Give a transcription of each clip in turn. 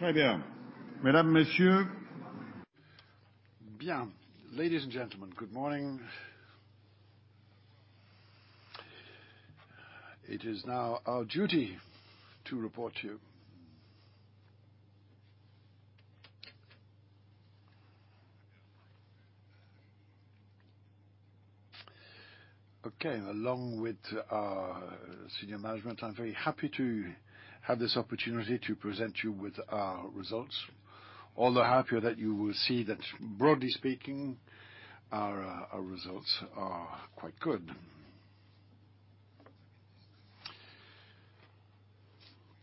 Ladies and gentlemen, good morning. It is now our duty to report to you. Okay, along with our senior management, I'm very happy to have this opportunity to present you with our results. All the happier that you will see that broadly speaking, our results are quite good.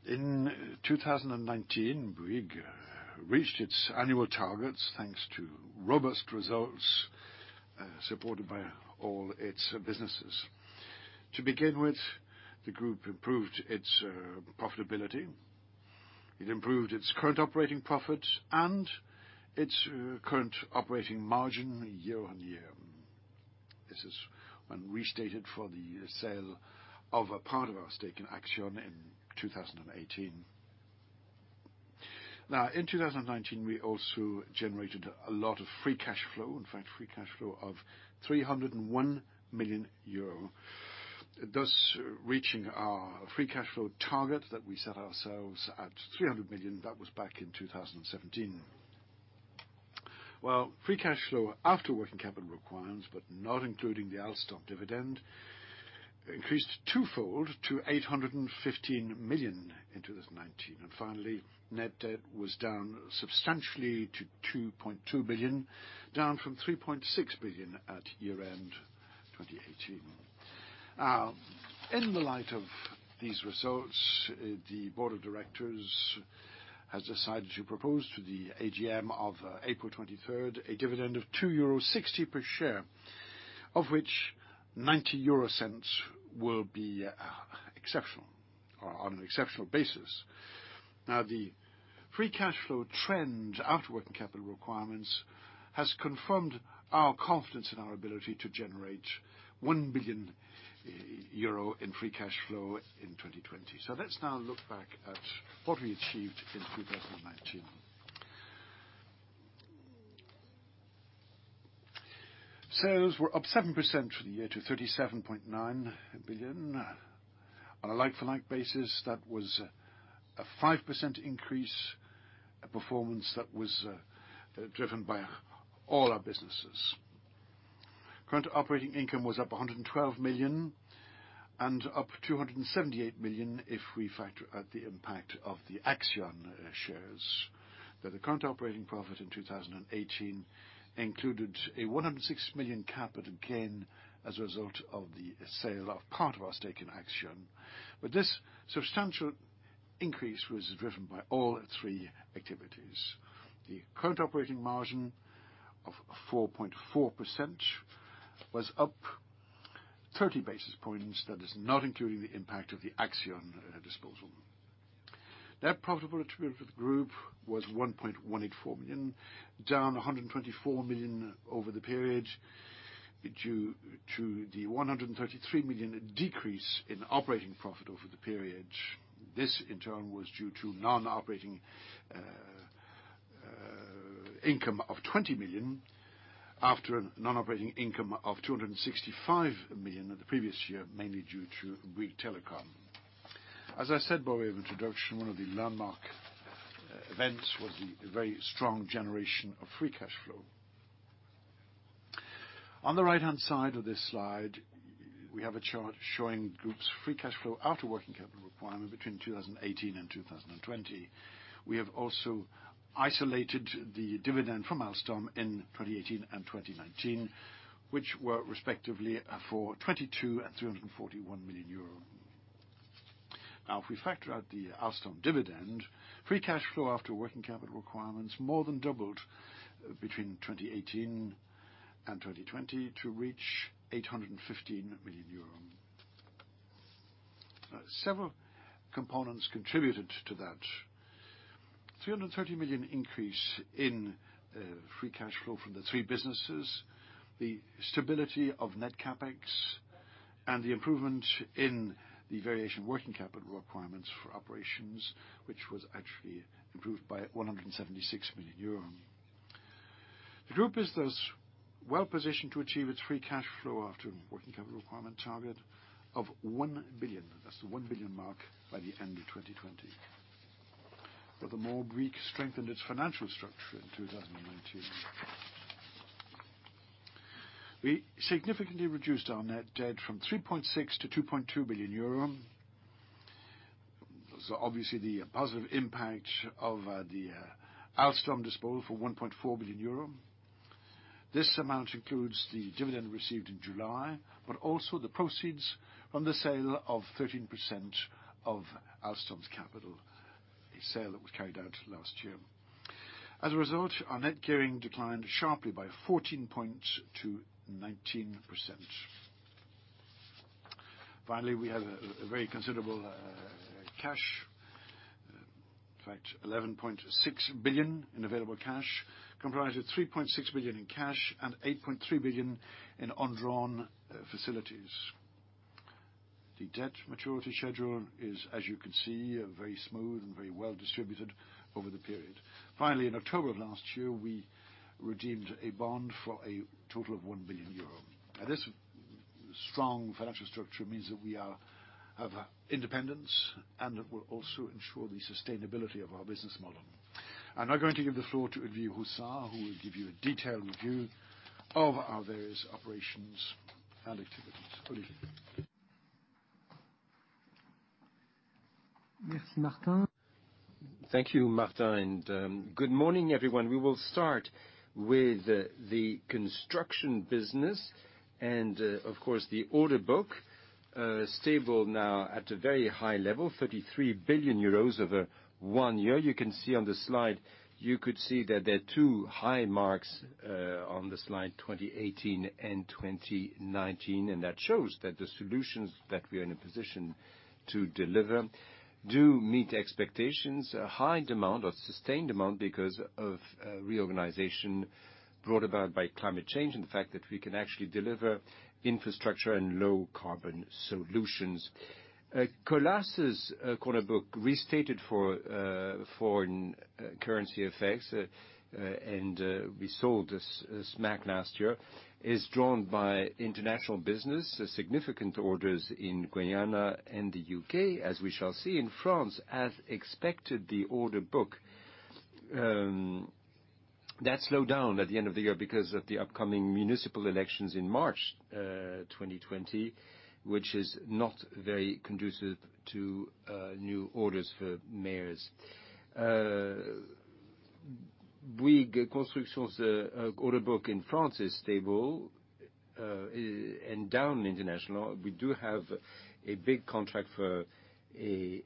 In 2019, Bouygues reached its annual targets, thanks to robust results supported by all its businesses. To begin with, the group improved its profitability. It improved its current operating profit and its current operating margin year-on-year. This is when restated for the sale of a part of our stake in Axione in 2018. In 2019, we also generated a lot of free cash flow. In fact, free cash flow of 301 million euro. Reaching our free cash flow target that we set ourselves at 300 million, that was back in 2017. While free cash flow after working capital requirements, but not including the Alstom dividend, increased twofold to 815 million in 2019. Finally, net debt was down substantially to 2.2 billion, down from 3.6 billion at year-end 2018. In the light of these results, the board of directors has decided to propose to the AGM of April 23rd a dividend of 2.60 euro per share, of which 0.90 will be on an exceptional basis. Now, the free cash flow trend after working capital requirements has confirmed our confidence in our ability to generate 1 billion euro in free cash flow in 2020. Let's now look back at what we achieved in 2019. Sales were up 7% for the year to 37.9 billion. On a like-for-like basis, that was a 5% increase, a performance that was driven by all our businesses. Current operating income was up 112 million and up 278 million if we factor out the impact of the Axione shares. The current operating profit in 2018 included a 106 million capital gain as a result of the sale of part of our stake in Axione. This substantial increase was driven by all three activities. The current operating margin of 4.4% was up 30 basis points. That is not including the impact of the Axione disposal. Net profit attributable for the group was 1.184 billion, down 124 million over the period due to the 133 million decrease in operating profit over the period. This in turn was due to non-operating income of 20 million after a non-operating income of 265 million in the previous year, mainly due to Bouygues Telecom. As I said by way of introduction, one of the landmark events was the very strong generation of free cash flow. On the right-hand side of this slide, we have a chart showing group's free cash flow after working capital requirement between 2018 and 2020. We have also isolated the dividend from Alstom in 2018 and 2019, which were respectively for 22 million and 341 million euros. If we factor out the Alstom dividend, free cash flow after working capital requirements more than doubled between 2018 and 2020 to reach 815 million euro. Several components contributed to that. 330 million increase in free cash flow from the three businesses, the stability of net CapEx, and the improvement in the variation of working capital requirements for operations, which was actually improved by 176 million euros. The group is thus well-positioned to achieve its free cash flow after working capital requirement target of 1 billion. That's the 1 billion mark by the end of 2020. Bouygues strengthened its financial structure in 2019. We significantly reduced our net debt from 3.6 to 2.2 billion euro. Obviously, the positive impact of the Alstom disposal for 1.4 billion euro. This amount includes the dividend received in July, also the proceeds from the sale of 13% of Alstom's capital, a sale that was carried out last year. As a result, our net gearing declined sharply by 14 point to 19%. We have a very considerable cash. In fact, 11.6 billion in available cash, comprised of 3.6 billion in cash and 8.3 billion in undrawn facilities. The debt maturity schedule is, as you can see, very smooth and very well distributed over the period. Finally, in October of last year, we redeemed a bond for a total of 1 billion euro. This strong financial structure means that we have independence and it will also ensure the sustainability of our business model. I'm now going to give the floor to Hervé Le Bouc, who will give you a detailed review of our various operations and activities. Olivier. Thank you, Martin. Good morning, everyone. We will start with the construction business and, of course, the order book, stable now at a very high level, 33 billion euros over one year. You can see on the slide, you could see that there are two high marks on the slide, 2018 and 2019. That shows that the solutions that we are in a position to deliver do meet expectations. A high demand or sustained demand because of reorganization brought about by climate change, and the fact that we can actually deliver infrastructure and low carbon solutions. Colas' order book restated for foreign currency effects, and we sold this back last year, is drawn by international business, significant orders in Guiana and the U.K. As we shall see, in France, as expected, the order book did slow down at the end of the year because of the upcoming municipal elections in March 2020, which is not very conducive to new orders for mayors. Bouygues Construction's order book in France is stable, and down in international. We do have a big contract for a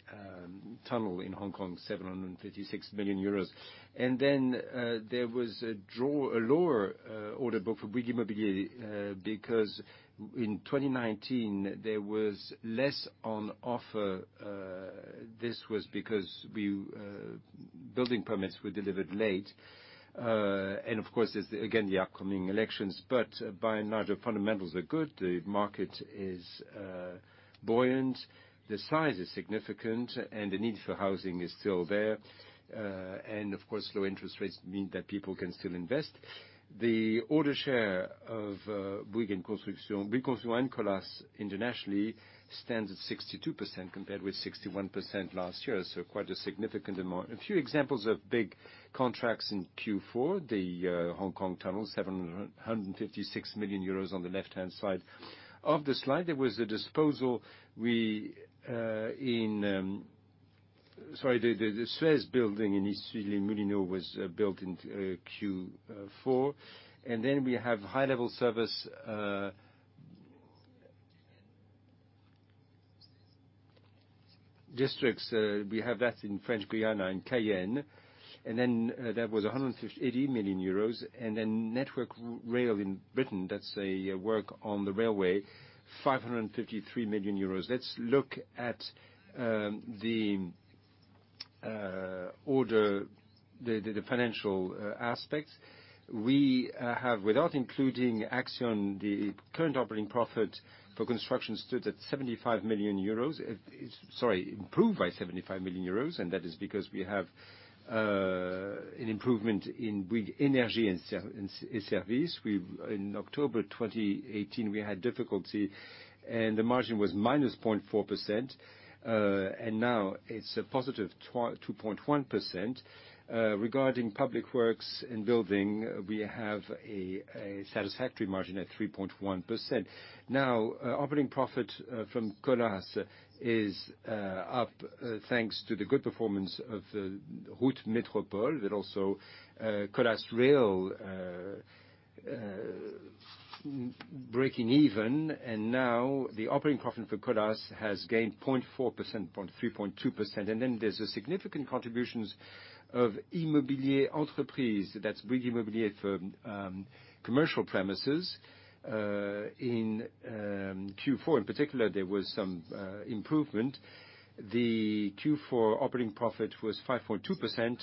tunnel in Hong Kong, 756 million euros. There was a lower order book for Bouygues Immobilier, because in 2019, there was less on offer. This was because building permits were delivered late. Of course, there's again, the upcoming elections. By and large, the fundamentals are good. The market is buoyant, the size is significant, and the need for housing is still there. Of course, low interest rates mean that people can still invest. The order share of Bouygues Construction, Bouygues Construction and Colas internationally stands at 62% compared with 61% last year. Quite a significant amount. A few examples of big contracts in Q4, the Hong Kong tunnel, 756 million euros on the left-hand side of the slide. There was a disposal. Sorry, the Suez Building in Issy-les-Moulineaux was built in Q4. We have high-level service districts. We have that in French Guiana in Cayenne. That was 180 million euros. Network Rail in Britain, that's a work on the railway, 553 million euros. Let's look at the order, the financial aspects. We have, without including Axione, the current operating profit for construction stood at 75 million euros. Sorry, improved by 75 million euros, and that is because we have an improvement in Bouygues Energies & Services. In October 2018, we had difficulty, the margin was -0.4%, it's a positive 2.1%. Regarding public works and building, we have a satisfactory margin at 3.1%. Operating profit from Colas is up thanks to the good performance of the Routes Métropole, but also Colas Rail breaking even. The operating profit for Colas has gained 0.4%, from 3.2%. There's significant contributions of Immobilier Entreprises. That's Bouygues Immobilier for commercial premises. In Q4 in particular, there was some improvement. The Q4 operating profit was 5.2%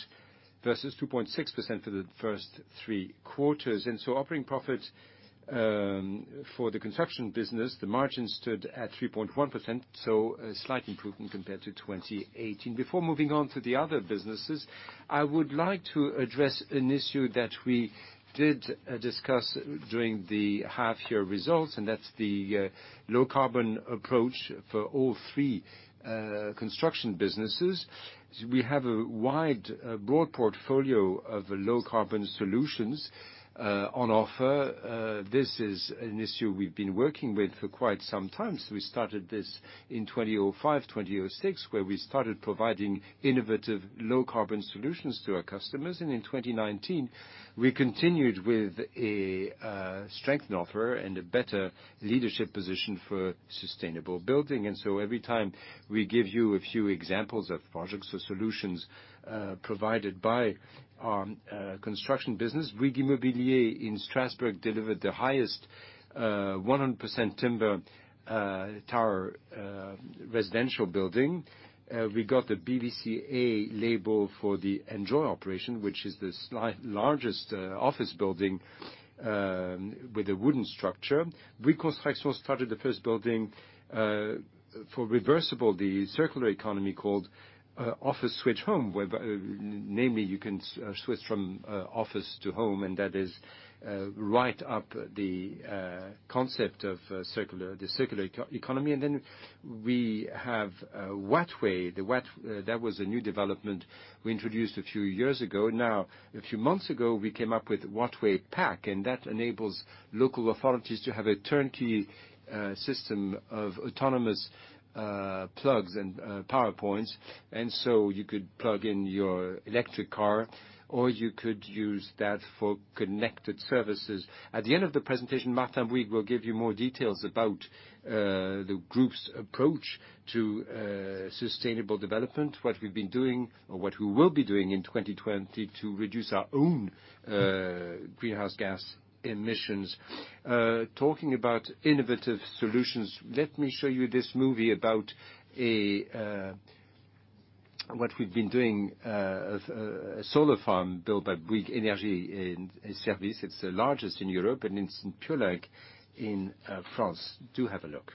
versus 2.6% for the first three quarters. Operating profit for the construction business, the margin stood at 3.1%, so a slight improvement compared to 2018. Before moving on to the other businesses, I would like to address an issue that we did discuss during the half-year results, that's the low-carbon approach for all three construction businesses. We have a wide, broad portfolio of low-carbon solutions on offer. This is an issue we've been working with for quite some time. We started this in 2005, 2006, where we started providing innovative low-carbon solutions to our customers. In 2019, we continued with a strengthened offer and a better leadership position for sustainable building. Every time we give you a few examples of projects or solutions provided by our construction business. Bouygues Immobilier in Strasbourg delivered the highest 100% timber tower residential building. We got the BBCA label for the Enjoy operation, which is the largest office building with a wooden structure. Bouygues Construction started the first building for reversible, the circular economy called Office Switch Home, where namely you can switch from office to home, and that is right up the concept of the circular economy. We have Wattway. That was a new development we introduced a few years ago. A few months ago, we came up with Wattway Pack. That enables local authorities to have a turnkey system of autonomous plugs and power points. You could plug in your electric car, or you could use that for connected services. At the end of the presentation, Martin Bouygues will give you more details about the group's approach to sustainable development, what we've been doing or what we will be doing in 2020 to reduce our own greenhouse gas emissions. Talking about innovative solutions, let me show you this movie about what we've been doing. A solar farm built by Bouygues Energies & Services. It's the largest in Europe. It's in Piolenc in France. Do have a look.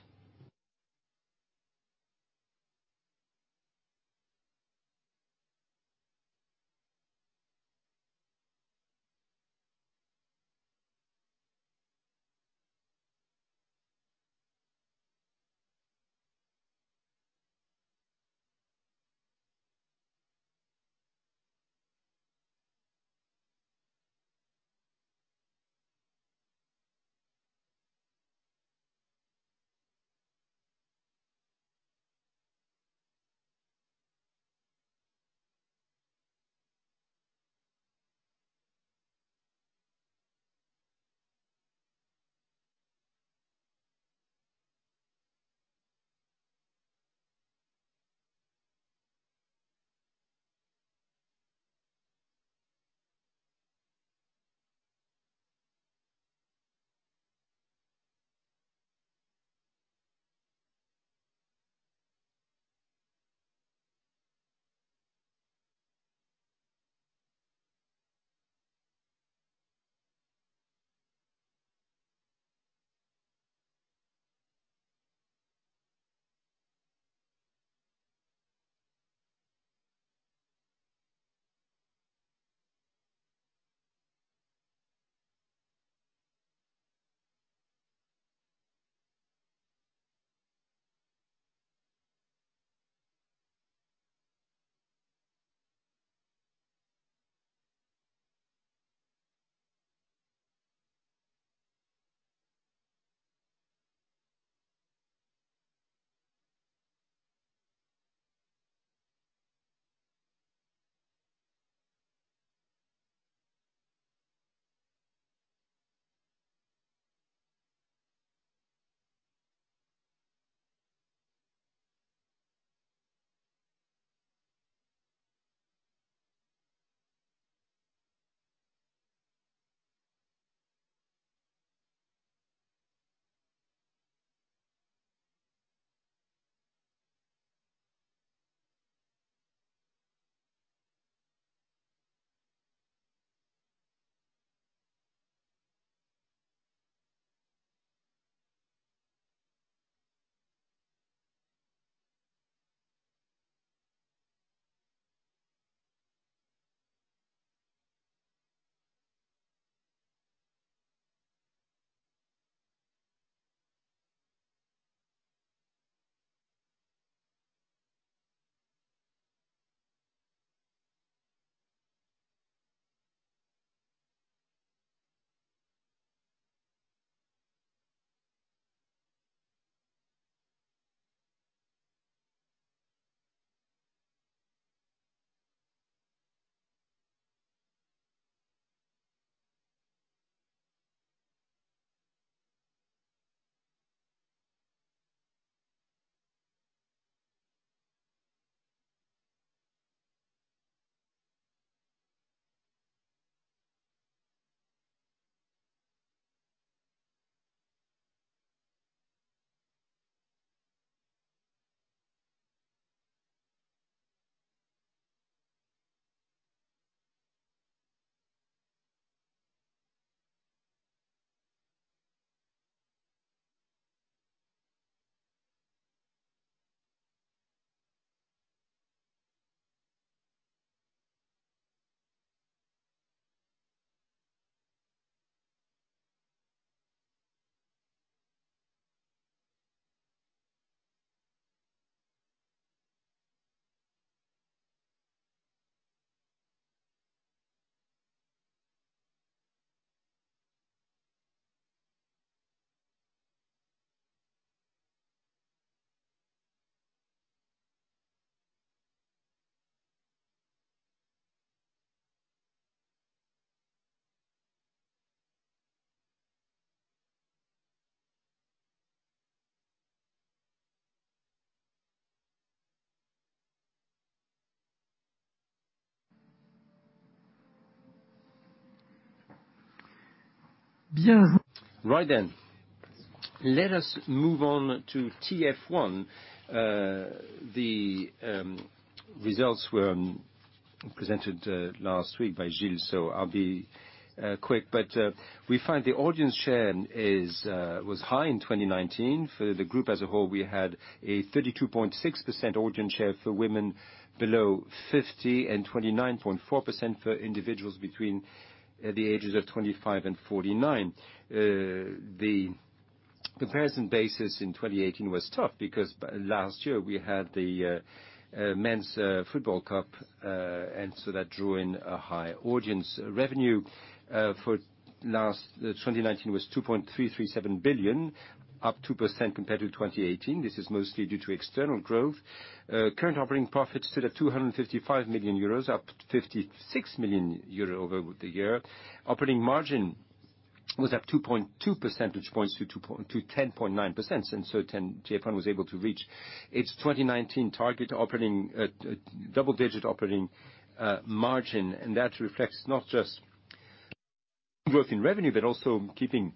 Let us move on to TF1. The results were presented last week by Gilles, so I'll be quick. We find the audience share was high in 2019. For the group as a whole, we had a 32.6% audience share for women below 50 and 29.4% for individuals between the ages of 25 and 49. The comparison basis in 2018 was tough because last year we had the Men's Football Cup, and so that drew in a high audience. Revenue for 2019 was 2.337 billion, up 2% compared to 2018. This is mostly due to external growth. Current operating profits stood at 255 million euros, up 56 million euros over the year. Operating margin was up 2.2 percentage points to 10.9%, and so TF1 was able to reach its 2019 target double-digit operating margin. That reflects not just growth in revenue, but also keeping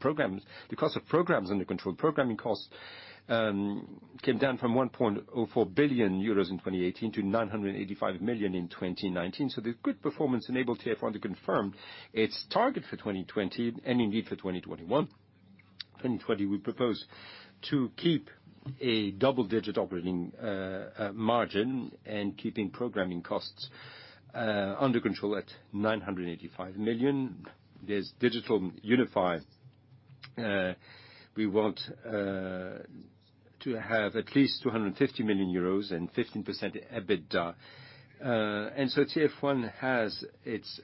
the cost of programs under control. Programming costs came down from 1.04 billion euros in 2018 to 985 million in 2019. The good performance enabled TF1 to confirm its target for 2020 and indeed for 2021. 2020, we propose to keep a double-digit operating margin and keeping programming costs under control at 985 million. There's Unify. We want to have at least 250 million euros and 15% EBITDA. TF1 has its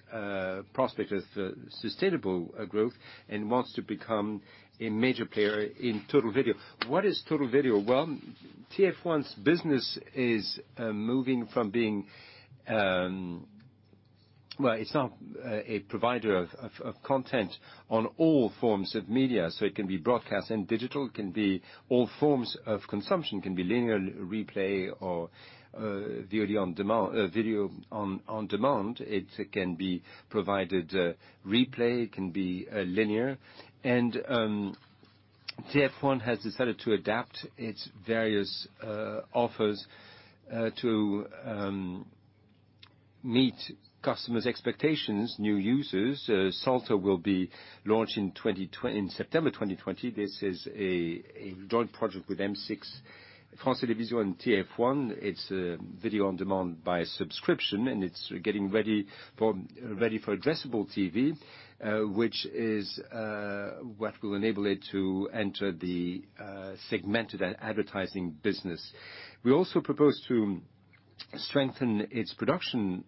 prospect of sustainable growth and wants to become a major player in total video. What is total video? Well, TF1's business is moving from being, it's now a provider of content on all forms of media. It can be broadcast and digital, it can be all forms of consumption. It can be linear replay or video on demand. It can be provided replay, it can be linear. TF1 has decided to adapt its various offers to meet customers' expectations, new users. Salto will be launched in September 2020. This is a joint project with M6, France Télévisions, and TF1. It's a video on demand by subscription, and it's getting ready for addressable TV, which is what will enable it to enter the segmented advertising business. We also propose to strengthen its production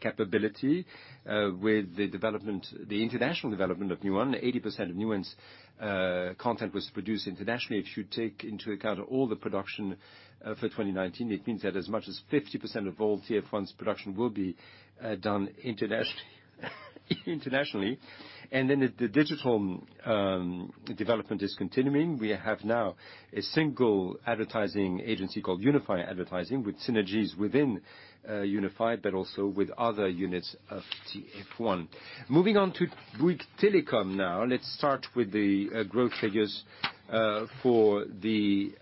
capability with the international development of Newen. 80% of Newen's content was produced internationally. If you take into account all the production for 2019, it means that as much as 50% of all TF1's production will be done internationally. The digital development is continuing. We have now a single advertising agency called Unify Advertising with synergies within Unify, but also with other units of TF1. Moving on to Bouygues Telecom now. Let's start with the growth figures for the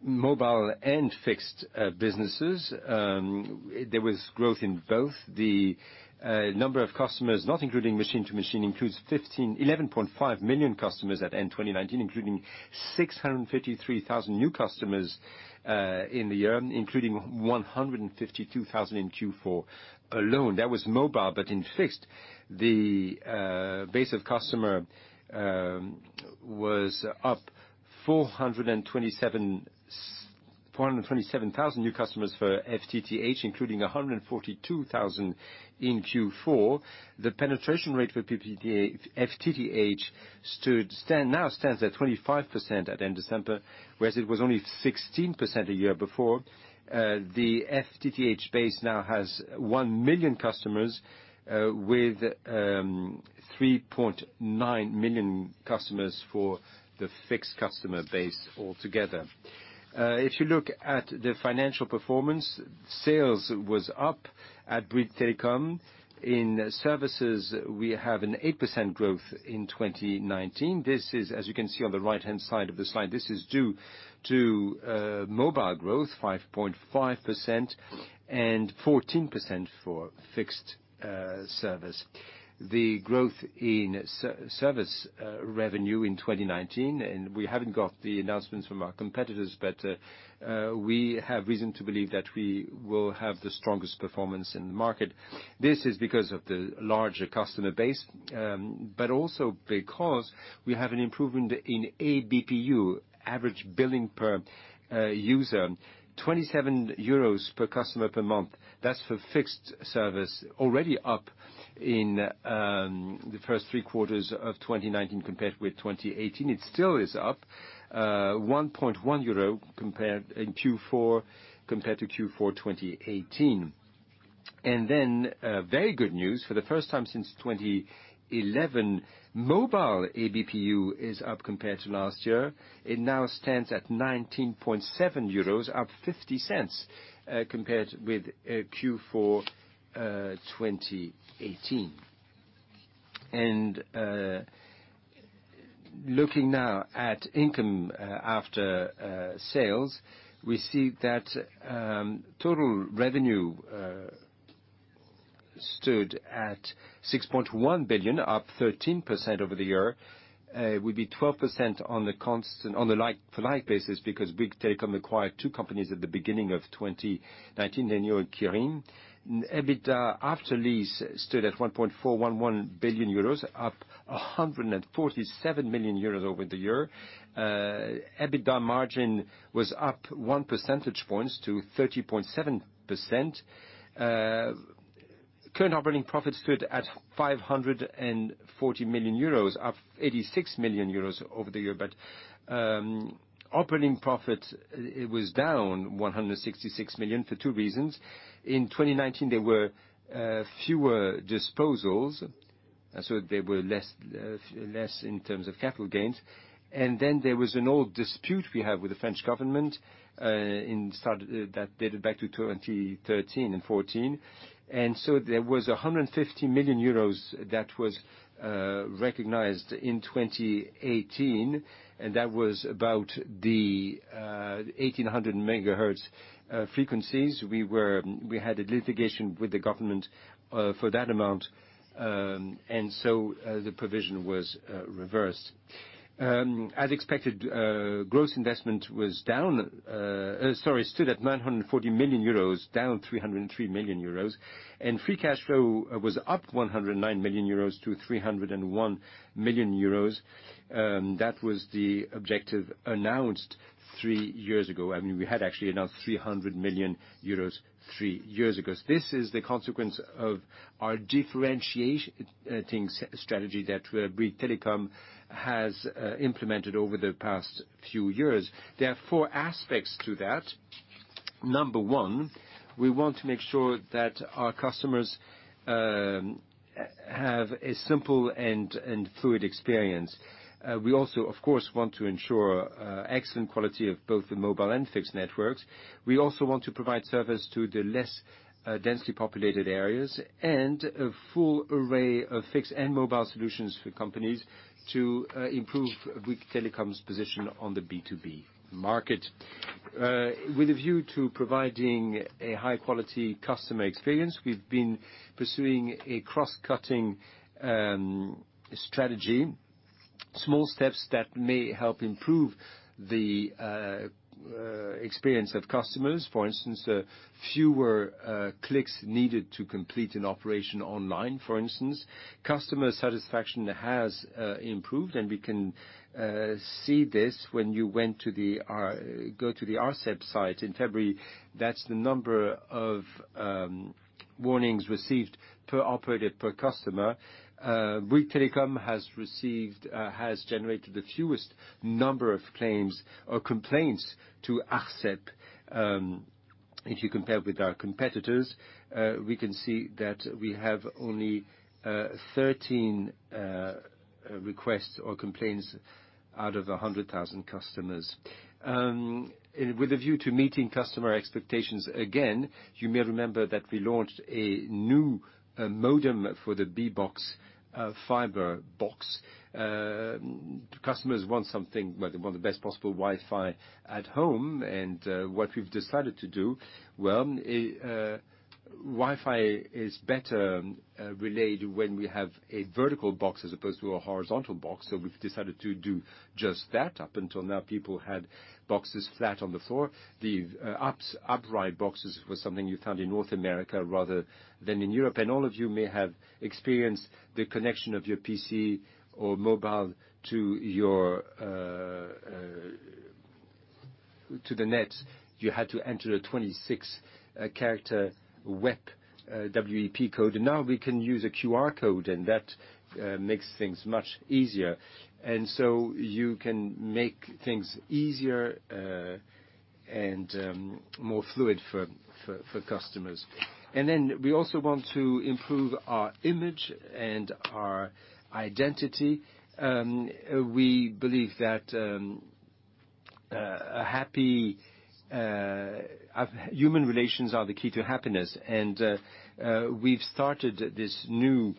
mobile and fixed businesses. There was growth in both. The number of customers, not including machine to machine, includes 11.5 million customers at end 2019, including 653,000 new customers in the year, including 152,000 in Q4 alone. That was mobile. In fixed, the base of customer was up 427,000 new customers for FTTH, including 142,000 in Q4. The penetration rate for FTTH now stands at 25% at end December, whereas it was only 16% a year before. The FTTH base now has 1 million customers with 3.9 million customers for the fixed customer base altogether. If you look at the financial performance, sales was up at Bouygues Telecom. In services, we have an 8% growth in 2019. As you can see on the right-hand side of the slide, this is due to mobile growth, 5.5%, and 14% for fixed service. The growth in service revenue in 2019, we haven't got the announcements from our competitors, but we have reason to believe that we will have the strongest performance in the market. This is because of the larger customer base, but also because we have an improvement in ABPU, average billing per user. 27 euros per customer per month. That's for fixed service, already up in the first three quarters of 2019 compared with 2018. It still is up 1.1 euro in Q4 compared to Q4 2018. Very good news. For the first time since 2011, mobile ABPU is up compared to last year. It now stands at 19.7 euros, up 0.50 compared with Q4 2018. Looking now at income after sales, we see that total revenue stood at 6.1 billion, up 13% over the year. Will be 12% on the like basis because Bouygues Telecom acquired two companies at the beginning of 2019, Nerim and Keyyo. EBITDA after lease stood at 1.411 billion euros, up 147 million euros over the year. EBITDA margin was up one percentage point to 30.7%. Current operating profits stood at 540 million euros, up 86 million euros over the year. Operating profit was down 166 million for two reasons. In 2019, there were fewer disposals, so there were less in terms of capital gains. There was an old dispute we have with the French government that dated back to 2013 and 2014. There was 150 million euros that was recognized in 2018, and that was about the 1,800 MHz frequencies. We had a litigation with the government for that amount, and so the provision was reversed. As expected, gross investment stood at 940 million euros, down 303 million euros. Free cash flow was up 109 million euros to 301 million euros. That was the objective announced three years ago. We had actually announced 300 million euros three years ago. This is the consequence of our differentiation strategy that Bouygues Telecom has implemented over the past few years. There are four aspects to that. Number one, we want to make sure that our customers have a simple and fluid experience. We also, of course, want to ensure excellent quality of both the mobile and fixed networks. We also want to provide service to the less densely populated areas and a full array of fixed and mobile solutions for companies to improve Bouygues Telecom's position on the B2B market. With a view to providing a high-quality customer experience, we've been pursuing a cross-cutting strategy. Small steps that may help improve the experience of customers. Fewer clicks needed to complete an operation online, for instance. Customer satisfaction has improved. We can see this when you go to the ARCEP site in February. That's the number of warnings received per operator, per customer. Bouygues Telecom has generated the fewest number of claims or complaints to ARCEP. If you compare with our competitors, we can see that we have only 13 requests or complaints out of 100,000 customers. With a view to meeting customer expectations, again, you may remember that we launched a new modem for the Bbox fiber box. Customers want the best possible Wi-Fi at home. What we've decided to do, well, Wi-Fi is better relayed when we have a vertical box as opposed to a horizontal box. We've decided to do just that. Up until now, people had boxes flat on the floor. The upright boxes was something you found in North America rather than in Europe. All of you may have experienced the connection of your PC or mobile to the net. You had to enter a 26-character WEP code. Now we can use a QR code, and that makes things much easier. You can make things easier and more fluid for customers. We also want to improve our image and our identity. We believe that human relations are the key to happiness, and we've started this new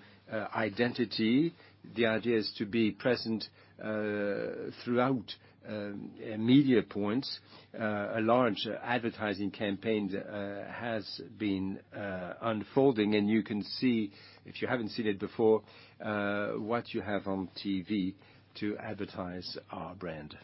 identity. The idea is to be present throughout media points. A large advertising campaign has been unfolding, and you can see, if you haven't seen it before, what you have on TV to advertise our brand.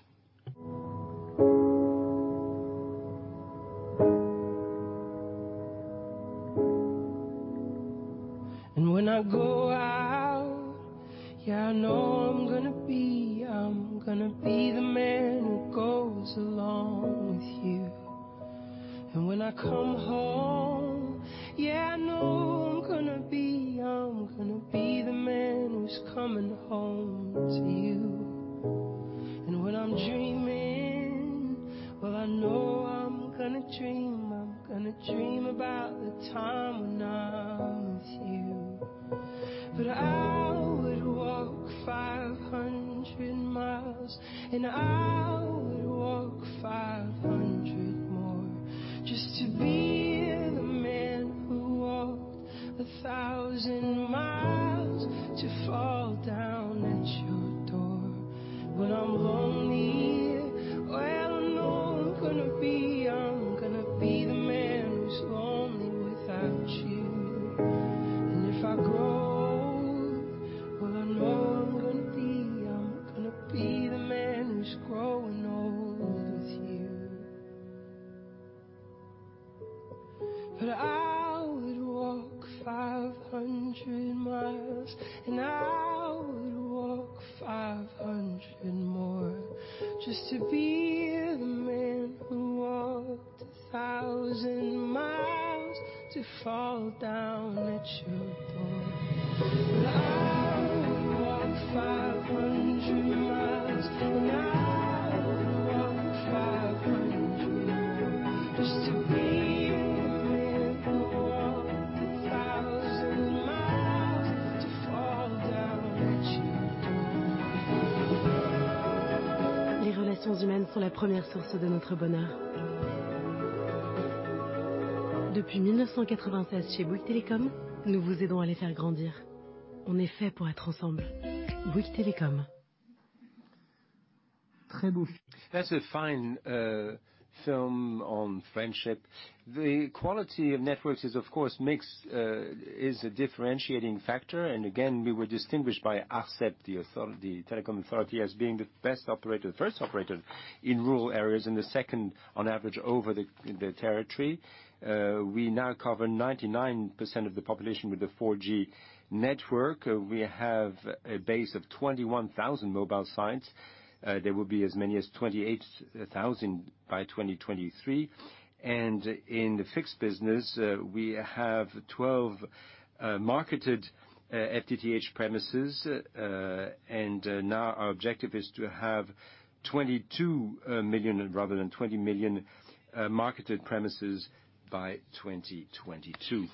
When I go out, yeah, I know I'm gonna be, I'm gonna be the man who goes along with you. When I come home, yeah, I know I'm gonna be, I'm gonna be the man who's coming home to you. When I'm dreaming, well, I know I'm gonna dream, I'm gonna dream about the time when I'm with you. I would walk 500 miles and I would walk 500 more just to be the man who walked 1,000 miles to fall down at your door. When I'm lonely, well, I know I'm gonna be, I'm gonna be the man who's lonely without you. If I grow old, well, I know I'm gonna be, I'm gonna be the man who's growing old with you. I would walk 500 miles. I would walk 500 more. Just to be with you. Walk 1,000 miles to fall down at your door. That's a fine film on friendship. The quality of networks is, of course, mixed, is a differentiating factor. Again, we were distinguished by ARCEP, the telecom authority, as being the best operator, first operator in rural areas, and the second on average over the territory. We now cover 99% of the population with the 4G network. We have a base of 21,000 mobile sites. There will be as many as 28,000 by 2023. In the fixed business, we have 12 million marketed FTTH premises. Now our objective is to have 22 million rather than 20 million marketed premises by 2022.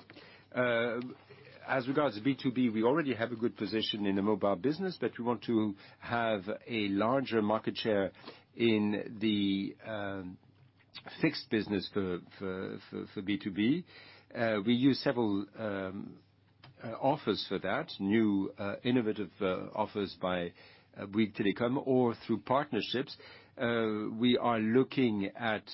As regards to B2B, we already have a good position in the mobile business, but we want to have a larger market share in the fixed business for B2B. We use several offers for that, new innovative offers by Bouygues Telecom or through partnerships. We are looking at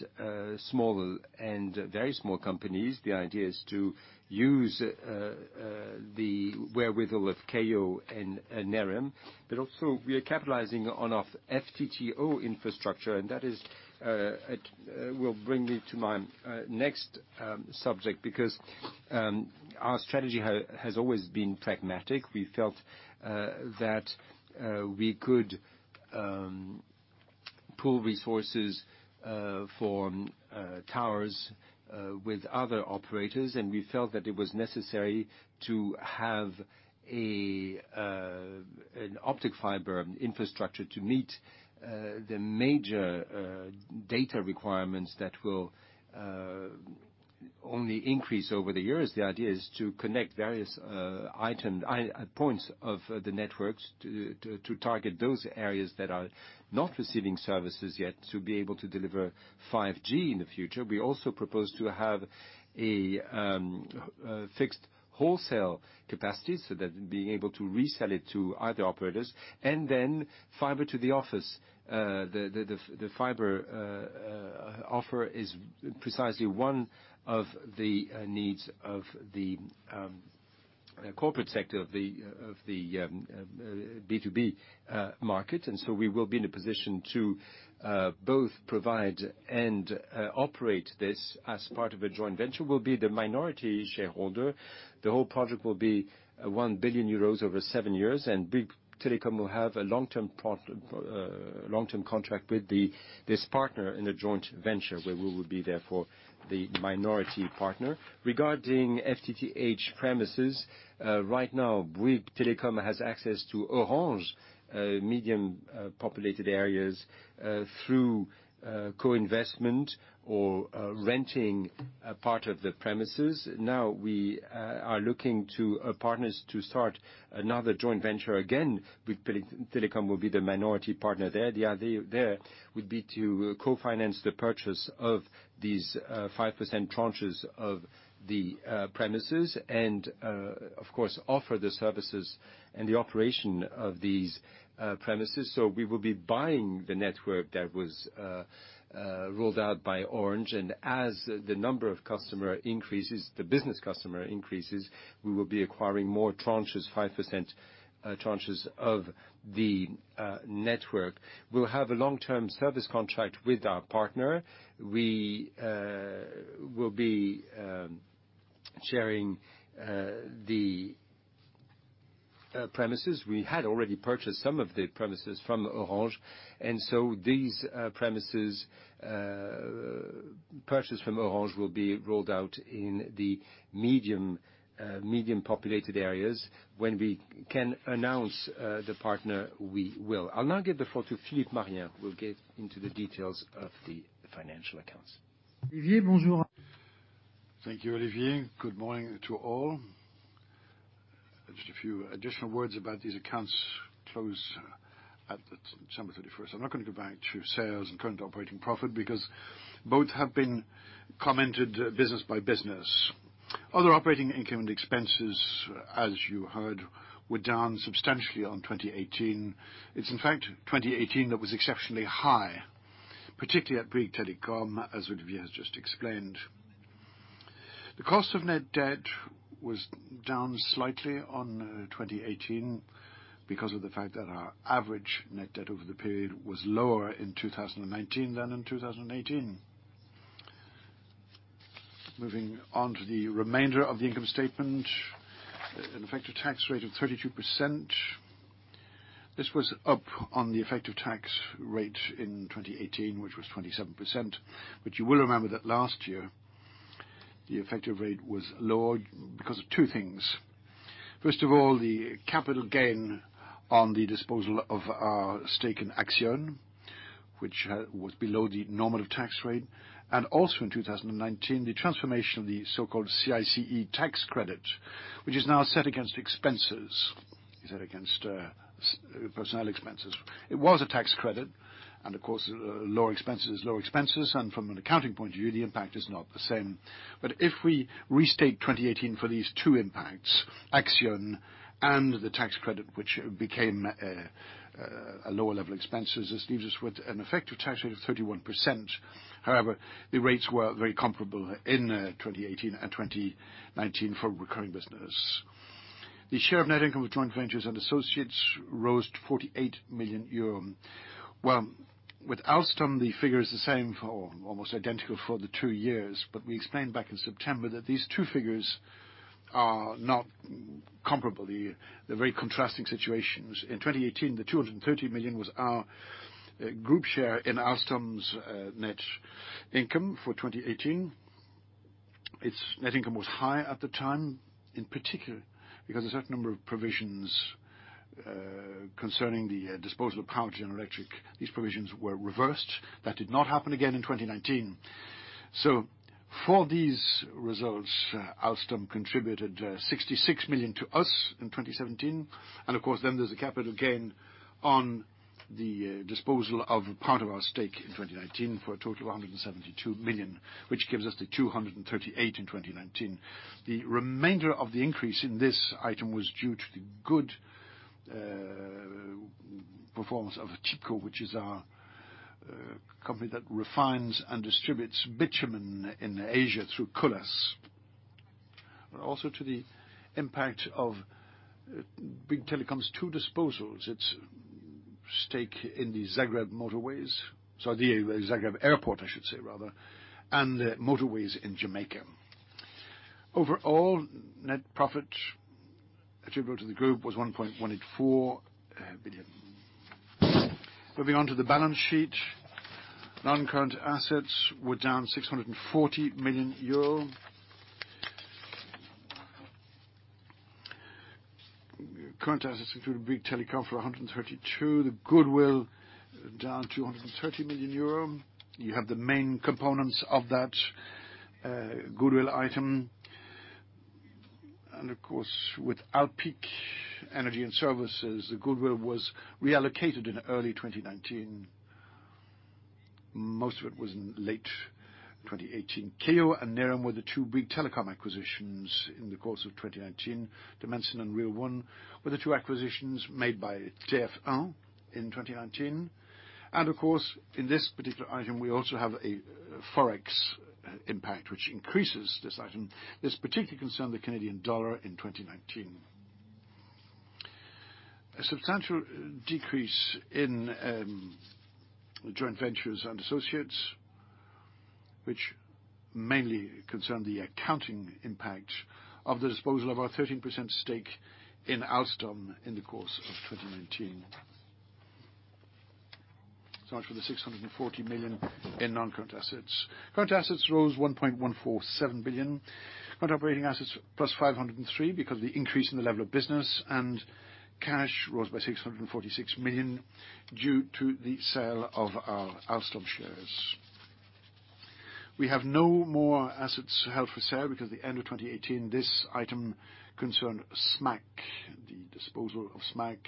small and very small companies. The idea is to use the wherewithal of Keyyo and Nerim, but also we are capitalizing on our FTTO infrastructure, and that will bring me to my next subject because our strategy has always been pragmatic. We felt that we could pool resources for towers with other operators, and we felt that it was necessary to have an optic fiber infrastructure to meet the major data requirements that will only increase over the years. The idea is to connect various points of the networks to target those areas that are not receiving services yet, to be able to deliver 5G in the future. We also propose to have a fixed wholesale capacity so that being able to resell it to other operators. Then fiber to the office. The fiber offer is precisely one of the needs of the corporate sector of the B2B market. We will be in a position to both provide and operate this as part of a joint venture. We'll be the minority shareholder. The whole project will be 1 billion euros over seven years, and Bouygues Telecom will have a long-term contract with this partner in a joint venture where we would be therefore the minority partner. Regarding FTTH premises, right now, Bouygues Telecom has access to Orange medium populated areas through co-investment or renting a part of the premises. We are looking to partners to start another joint venture. Bouygues Telecom will be the minority partner there. The idea there would be to co-finance the purchase of these 5% tranches of the premises and, of course, offer the services and the operation of these premises. We will be buying the network that was rolled out by Orange. As the number of customer increases, the business customer increases, we will be acquiring more tranches, 5% tranches of the network. We'll have a long-term service contract with our partner. We will be sharing the premises. We had already purchased some of the premises from Orange. These premises purchased from Orange will be rolled out in the medium populated areas. When we can announce the partner, we will. I'll now give the floor to Philippe Marien, who will get into the details of the financial accounts. Thank you, Olivier. Good morning to all. Just a few additional words about these accounts closed at December 31st. I'm not going to go back to sales and current operating profit because both have been commented business by business. Other operating income and expenses, as you heard, were down substantially on 2018. It's in fact 2018 that was exceptionally high, particularly at Bouygues Telecom, as Olivier has just explained. The cost of net debt was down slightly on 2018 because of the fact that our average net debt over the period was lower in 2019 than in 2018. Moving on to the remainder of the income statement. An effective tax rate of 32%. This was up on the effective tax rate in 2018, which was 27%. You will remember that last year, the effective rate was lower because of two things. First of all, the capital gain on the disposal of our stake in Axione, which was below the normative tax rate, and also in 2019, the transformation of the so-called CICE tax credit, which is now set against personnel expenses. It was a tax credit, and of course, lower expenses is lower expenses, and from an accounting point of view, the impact is not the same. If we restate 2018 for these two impacts, Axione and the tax credit, which became a lower level expense, this leaves us with an effective tax rate of 31%. However, the rates were very comparable in 2018 and 2019 for recurring business. The share of net income with joint ventures and associates rose to 48 million euro. With Alstom, the figure is the same, almost identical for the two years. We explained back in September that these two figures are not comparable. They're very contrasting situations. In 2018, the 230 million was our group share in Alstom's net income for 2018. Its net income was high at the time, in particular, because a certain number of provisions concerning the disposal of Power and Grid, these provisions were reversed. That did not happen again in 2019. For these results, Alstom contributed 66 million to us in 2017. Of course then there's the capital gain on the disposal of part of our stake in 2019 for a total of 172 million, which gives us the 238 million in 2019. The remainder of the increase in this item was due to the good performance of Tipco, which is our company that refines and distributes bitumen in Asia through Colas, but also to the impact of Bouygues Telecom's two disposals, its stake in the Zagreb Airport, I should say, rather, and motorways in Jamaica. Overall, net profit attributable to the group was 1.184 billion. Moving on to the balance sheet. Non-current assets were down 640 million euro. Current assets include Bouygues Telecom for 132. The goodwill down 230 million euro. You have the main components of that goodwill item. Of course, with Alpiq Engineering Services, the goodwill was reallocated in early 2019. Most of it was in late 2018. Keyyo and Nerim were the two Bouygues Telecom acquisitions in the course of 2019. De Mensen and Reel One were the two acquisitions made by TF1 in 2019. Of course, in this particular item, we also have a Forex impact, which increases this item. This particularly concerned the Canadian dollar in 2019. A substantial decrease in joint ventures and associates, which mainly concerned the accounting impact of the disposal of our 13% stake in Alstom in the course of 2019. So much for the 640 million in non-current assets. Current assets rose 1.147 billion. Current operating assets +503 because of the increase in the level of business, and cash rose by 646 million due to the sale of our Alstom shares. We have no more assets held for sale because at the end of 2018, this item concerned SMAC, the disposal of SMAC,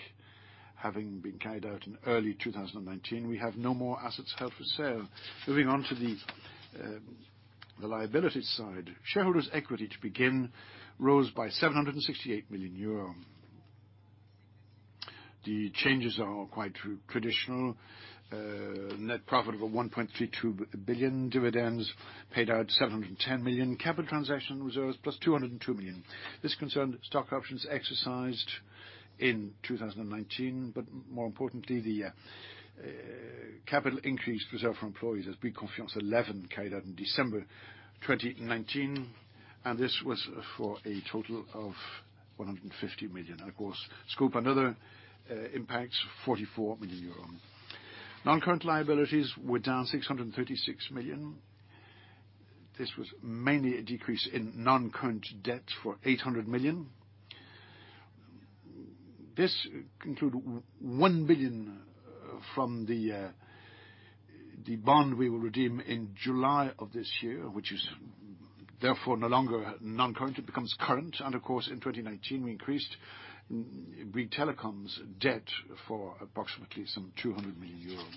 having been carried out in early 2019. We have no more assets held for sale. Moving on to the liabilities side. Shareholders' equity, to begin, rose by 768 million euro. The changes are quite traditional. Net profit of 1.32 billion. Dividends paid out, 710 million. Capital transaction reserves, +202 million. This concerned stock options exercised in 2019, but more importantly, the capital increase reserved for employees as Bouygues Confiance n°11 carried out in December 2019, this was for a total of 150 million. Of course, Scope, another impact, 44 million euro. Non-current liabilities were down 636 million. This was mainly a decrease in non-current debt for 800 million. This included 1 billion from the bond we will redeem in July of this year, which is therefore no longer non-current. It becomes current. Of course, in 2019, we increased Bouygues Telecom's debt for approximately some 200 million euros.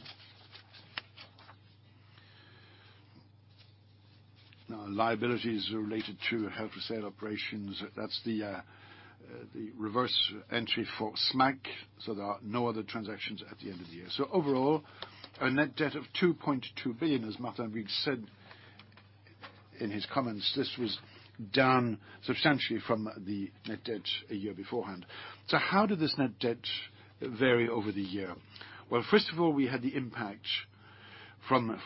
Now, liabilities related to held-for-sale operations. That's the reverse entry for SMAC, so there are no other transactions at the end of the year. Overall, a net debt of 2.2 billion, as Martin Bouygues said in his comments. This was down substantially from the net debt a year beforehand. How did this net debt vary over the year? First of all, we had the impact from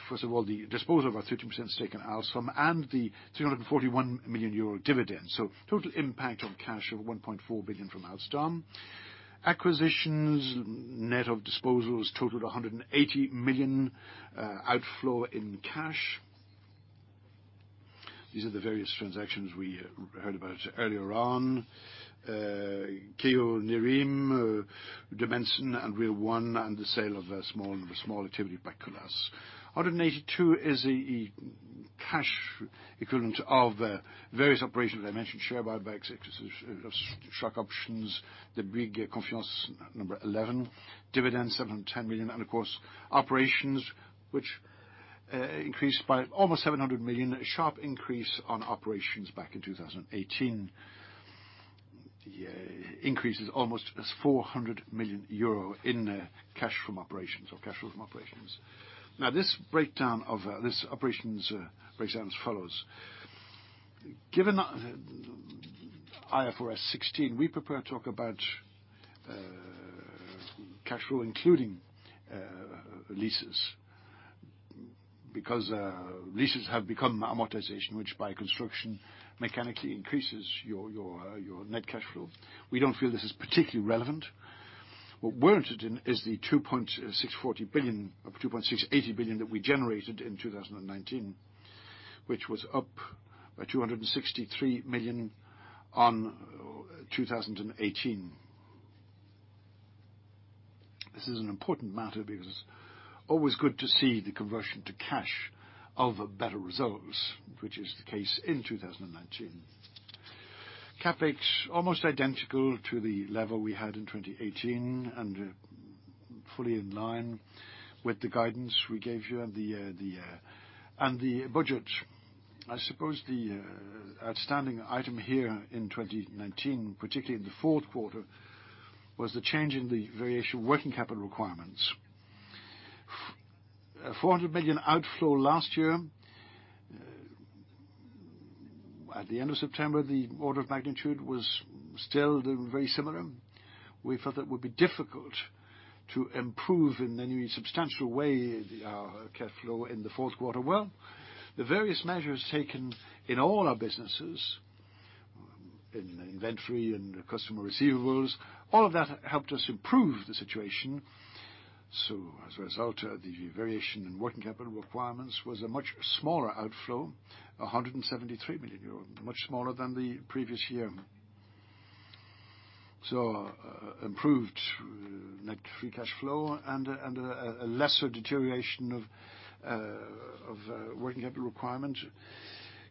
the disposal of our 30% stake in Alstom and the 341 million euro dividend. Total impact on cash of 1.4 billion from Alstom. Acquisitions, net of disposals, totaled 180 million outflow in cash. These are the various transactions we heard about earlier on. Keyyo, Nerim, De Mensen, and Reel One, and the sale of a small activity, Bacula. 182 million is the cash equivalent of various operations that I mentioned, share buybacks, exercise of stock options, the Bouygues Confiance n°11, dividends, 710 million, and of course, operations, which increased by almost 700 million. A sharp increase on operations back in 2018. The increase is almost 400 million euro in cash from operations or cash flow from operations. This breakdown of this operations breaks down as follows. Given IFRS 16, we prefer to talk about cash flow including leases. Leases have become amortization, which by construction mechanically increases your net cash flow. We don't feel this is particularly relevant. What we're interested in is the 2.640 billion or 2.680 billion that we generated in 2019, which was up by 263 million on 2018. This is an important matter because it's always good to see the conversion to cash of better results, which is the case in 2019. CapEx, almost identical to the level we had in 2018 and fully in line with the guidance we gave you and the budget. I suppose the outstanding item here in 2019, particularly in the fourth quarter, was the change in the variation of working capital requirements. EUR 400 million outflow last year. At the end of September, the order of magnitude was still very similar. We felt that it would be difficult to improve in any substantial way our cash flow in the fourth quarter. Well, the various measures taken in all our businesses, in inventory and customer receivables, all of that helped us improve the situation. As a result, the variation in working capital requirements was a much smaller outflow, 173 million euros. Much smaller than the previous year. Improved net free cash flow and a lesser deterioration of working capital requirement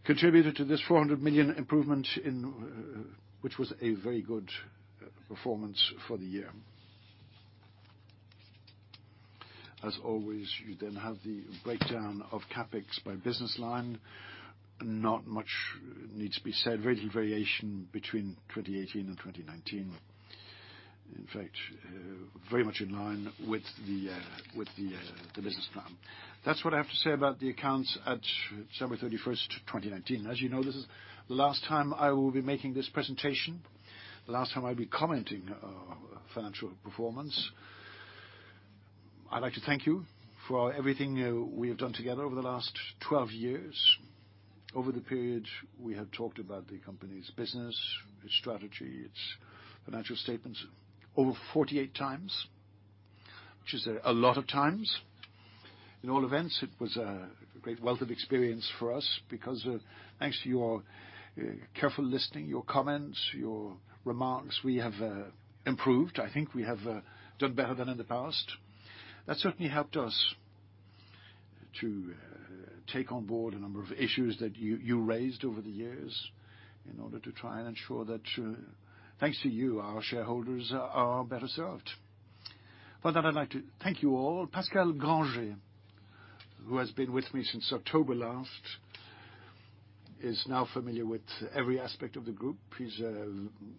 contributed to this 400 million improvement, which was a very good performance for the year. As always, you then have the breakdown of CapEx by business line. Not much needs to be said. Very little variation between 2018 and 2019. In fact, very much in line with the business plan. That is what I have to say about the accounts at December 31st, 2019. As you know, this is the last time I will be making this presentation, the last time I will be commenting on financial performance. I would like to thank you for everything we have done together over the last 12 years. Over the period, we have talked about the company's business, its strategy, its financial statements over 48x, which is a lot of times. In all events, it was a great wealth of experience for us because thanks to your careful listening, your comments, your remarks, we have improved. I think we have done better than in the past. That certainly helped us to take on board a number of issues that you raised over the years in order to try and ensure that, thanks to you, our shareholders are better served. For that, I'd like to thank you all. Pascal Grangé, who has been with me since October last, is now familiar with every aspect of the group. He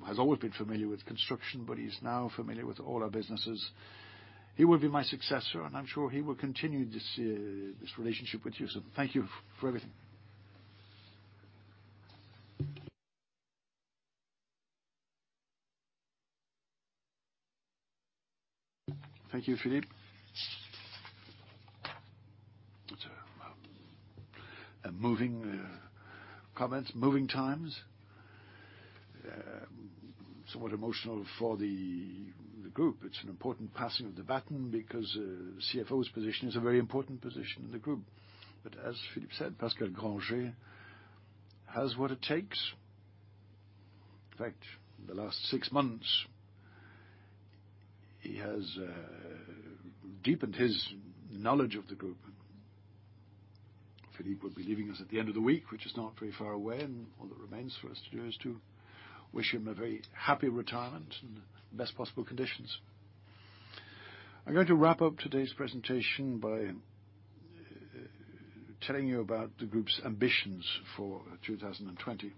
has always been familiar with construction, but he's now familiar with all our businesses. He will be my successor, and I'm sure he will continue this relationship with you. Thank you for everything. Thank you, Philippe. That's moving comments, moving times. Somewhat emotional for the group. It's an important passing of the baton because the CFO's position is a very important position in the group. As Philippe said, Pascal Grangé has what it takes. In fact, in the last six months, he has deepened his knowledge of the group. Philippe will be leaving us at the end of the week, which is not very far away, and all that remains for us to do is to wish him a very happy retirement in the best possible conditions. I'm going to wrap up today's presentation by telling you about the group's ambitions for 2020.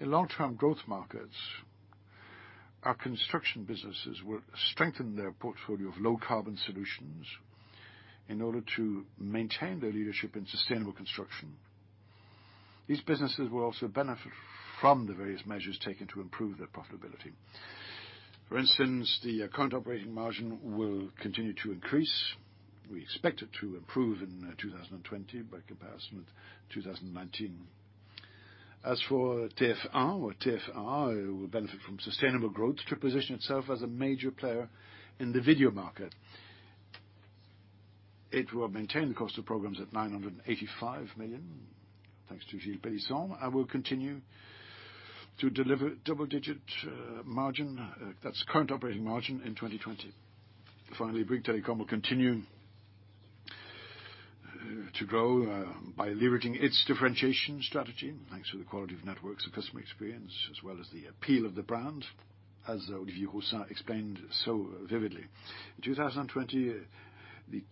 In long-term growth markets, our construction businesses will strengthen their portfolio of low-carbon solutions in order to maintain their leadership in sustainable construction. These businesses will also benefit from the various measures taken to improve their profitability. For instance, the current operating margin will continue to increase. We expect it to improve in 2020 by comparison with 2019. As for TF1 will benefit from sustainable growth to position itself as a major player in the video market. It will maintain the cost of programs at 985 million, thanks to Gilles Pélisson, and will continue to deliver double-digit margin, that's current operating margin, in 2020. Bouygues Telecom will continue to grow by leveraging its differentiation strategy, thanks to the quality of networks and customer experience, as well as the appeal of the brand, as Olivier Roussat explained so vividly. In 2020, the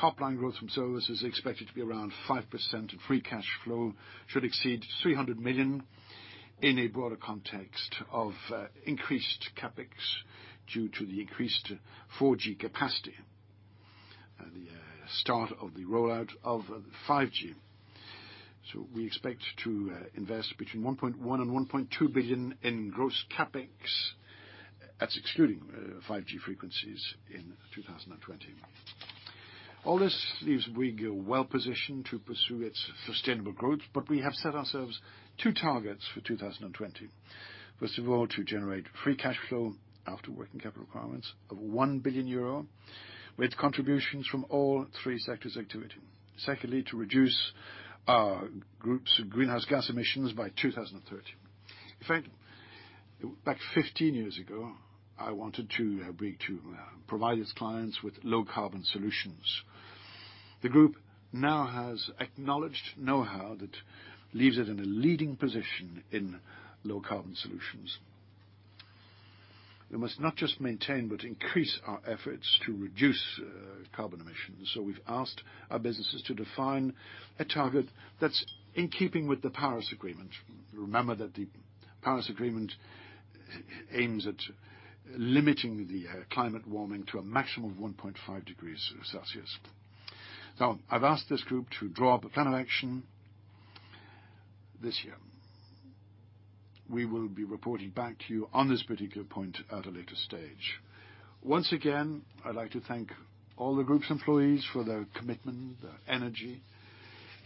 top line growth from services is expected to be around 5%, and free cash flow should exceed 300 million in a broader context of increased CapEx due to the increased 4G capacity and the start of the rollout of 5G. We expect to invest between 1.1 billion and 1.2 billion in gross CapEx, that's excluding 5G frequencies, in 2020. All this leaves Bouygues well-positioned to pursue its sustainable growth, but we have set ourselves two targets for 2020. First of all, to generate free cash flow after working capital requirements of 1 billion euro, with contributions from all three sectors' activity. Secondly, to reduce our group's greenhouse gas emissions by 2030. In fact, back 15 years ago, I wanted Bouygues to provide its clients with low-carbon solutions. The group now has acknowledged know-how that leaves it in a leading position in low-carbon solutions. We must not just maintain, but increase our efforts to reduce carbon emissions. We've asked our businesses to define a target that's in keeping with the Paris Agreement. Remember that the Paris Agreement aims at limiting the climate warming to a maximum of 1.5 degrees Celsius. I've asked this group to draw up a plan of action this year. We will be reporting back to you on this particular point at a later stage. Once again, I'd like to thank all the group's employees for their commitment, their energy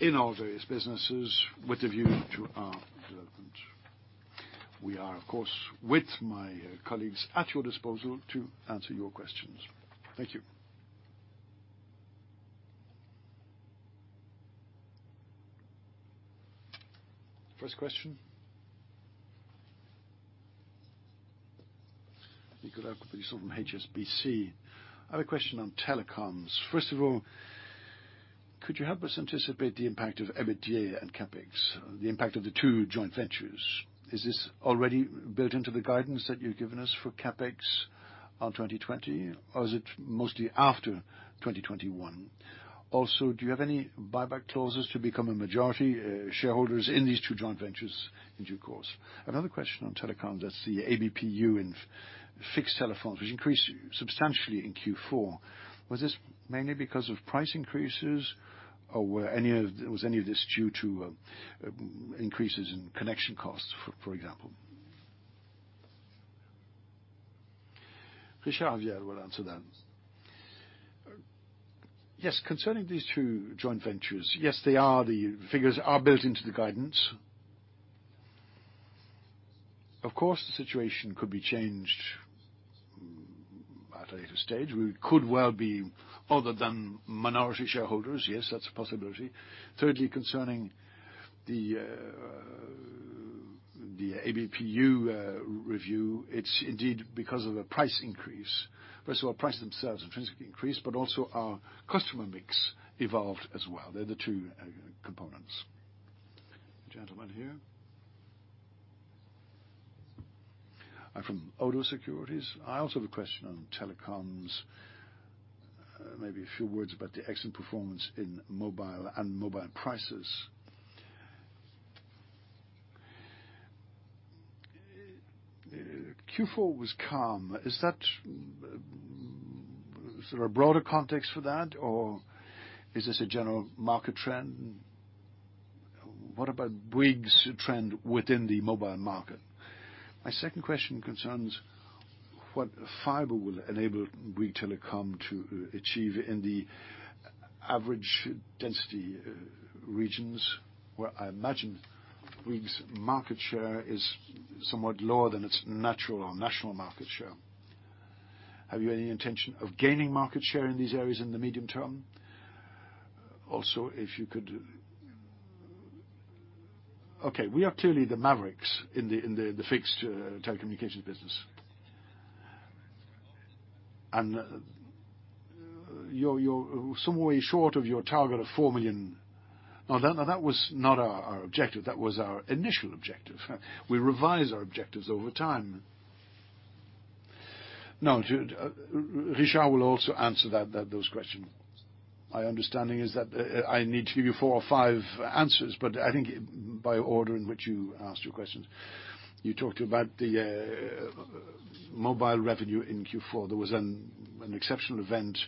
in all various businesses with a view to our development. We are, of course, with my colleagues at your disposal to answer your questions. Thank you. First question. Nicolas Cote-Colisson from HSBC. I have a question on telecoms. First of all, could you help us anticipate the impact of EBITDA and CapEx, the impact of the two joint ventures? Is this already built into the guidance that you've given us for CapEx on 2020, or is it mostly after 2021? Also, do you have any buyback clauses to become a majority shareholder in these two joint ventures in due course? Another question on telecom. That's the ABPU in fixed telephones, which increased substantially in Q4. Was this mainly because of price increases, or was any of this due to increases in connection costs, for example? Richard, yeah, will answer that. Yes. Concerning these two joint ventures, yes, the figures are built into the guidance. Of course, the situation could be changed at a later stage. We could well be other than minority shareholders. Yes, that's a possibility. Thirdly, concerning the ABPU review, it's indeed because of a price increase. First of all, price themselves intrinsically increased, but also our customer mix evolved as well. They're the two components. Gentleman here. I'm from Oddo Securities. I also have a question on telecoms. Maybe a few words about the excellent performance in mobile and mobile prices. Q4 was calm. Is there a broader context for that, or is this a general market trend? What about Bouygues' trend within the mobile market? My second question concerns what fiber will enable Bouygues Telecom to achieve in the average density regions, where I imagine Bouygues' market share is somewhat lower than its natural or national market share. Have you any intention of gaining market share in these areas in the medium term? We are clearly the mavericks in the fixed telecommunications business. You're some way short of your target of 4 million. No, that was not our objective. That was our initial objective. We revise our objectives over time. No, Richard will also answer those questions. My understanding is that I need to give you four or five answers, I think by order in which you asked your questions. You talked about the mobile revenue in Q4. There was an exceptional event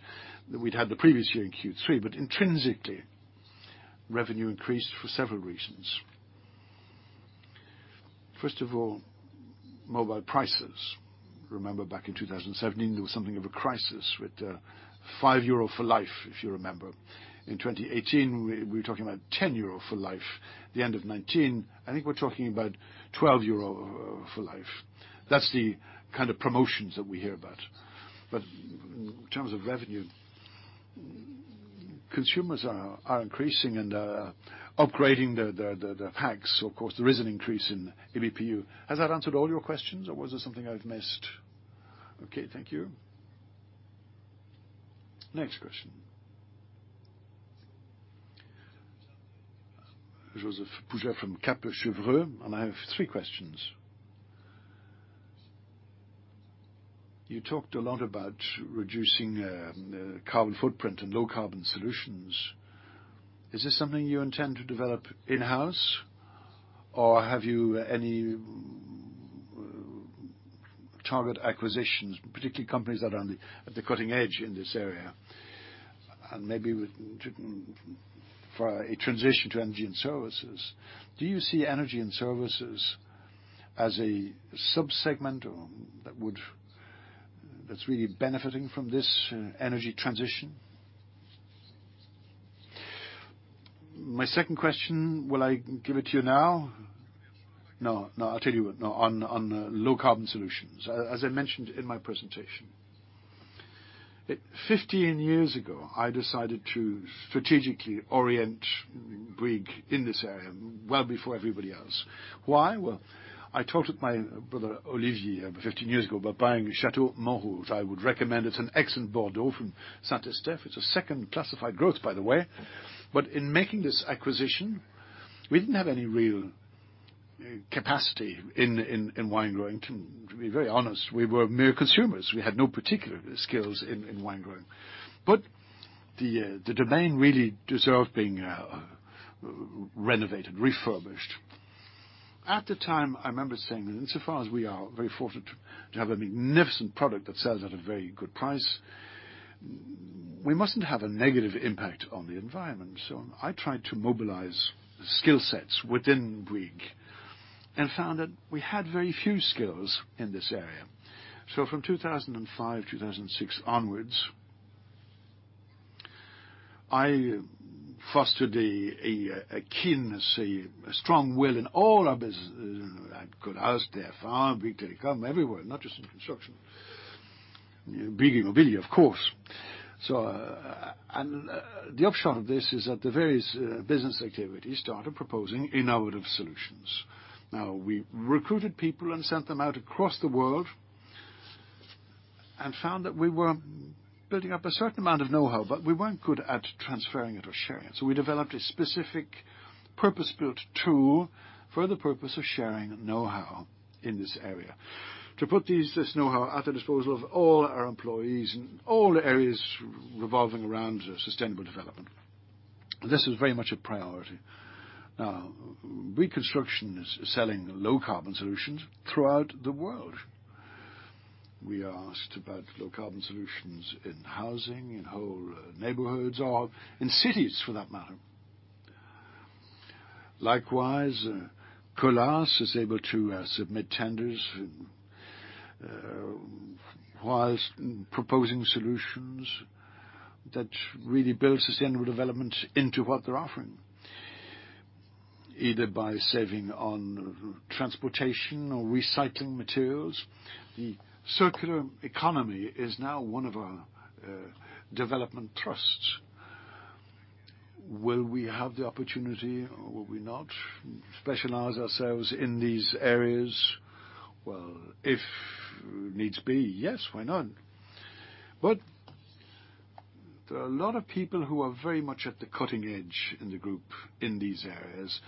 that we'd had the previous year in Q3, intrinsically, revenue increased for several reasons. First of all, mobile prices. Remember back in 2017, there was something of a crisis with 5 euro for life, if you remember. In 2018, we were talking about 10 euro for life. The end of 2019, I think we're talking about 12 euro for life. That's the kind of promotions that we hear about. In terms of revenue, consumers are increasing and are upgrading their packs. Of course, there is an increase in ABPU. Has that answered all your questions or was there something I've missed? Okay, thank you. Next question. Joseph Pouget from Kepler Cheuvreux, I have three questions. You talked a lot about reducing carbon footprint and low carbon solutions. Is this something you intend to develop in-house or have you any target acquisitions, particularly companies that are on the cutting edge in this area, maybe for a transition to energy and services? Do you see energy and services as a sub-segment that's really benefiting from this energy transition? My second question, will I give it to you now? I'll tell you what. On low carbon solutions, as I mentioned in my presentation. 15 years ago, I decided to strategically orient Bouygues in this area, well before everybody else. Why? Well, I talked with my brother Olivier 15 years ago about buying Château Montrose. I would recommend it's an excellent Bordeaux from Saint-Estèphe. It's a second classified growth, by the way. In making this acquisition, we didn't have any real capacity in wine growing, to be very honest. We were mere consumers. We had no particular skills in wine growing. The domain really deserved being renovated, refurbished. At the time, I remember saying that insofar as we are very fortunate to have a magnificent product that sells at a very good price, we mustn't have a negative impact on the environment. I tried to mobilize skill sets within Bouygues and found that we had very few skills in this area. From 2005, 2006 onwards, I fostered a keenness, a strong will in all our business at Colas, Bouygues Energies & Services, Bouygues Telecom, everywhere, not just in construction. Bouygues Immobilier, of course. The upshot of this is that the various business activities started proposing innovative solutions. We recruited people and sent them out across the world and found that we were building up a certain amount of know-how, but we weren't good at transferring it or sharing it. We developed a specific purpose-built tool for the purpose of sharing know-how in this area. To put this know-how at the disposal of all our employees in all areas revolving around sustainable development. This was very much a priority. Bouygues Construction is selling low carbon solutions throughout the world. We are asked about low carbon solutions in housing, in whole neighborhoods or in cities for that matter. Likewise, Colas is able to submit tenders whilst proposing solutions that really build sustainable development into what they're offering, either by saving on transportation or recycling materials. The circular economy is now one of our development trusts. Will we have the opportunity or will we not specialize ourselves in these areas? Well, if needs be, yes, why not? There are a lot of people who are very much at the cutting edge in the group in these areas.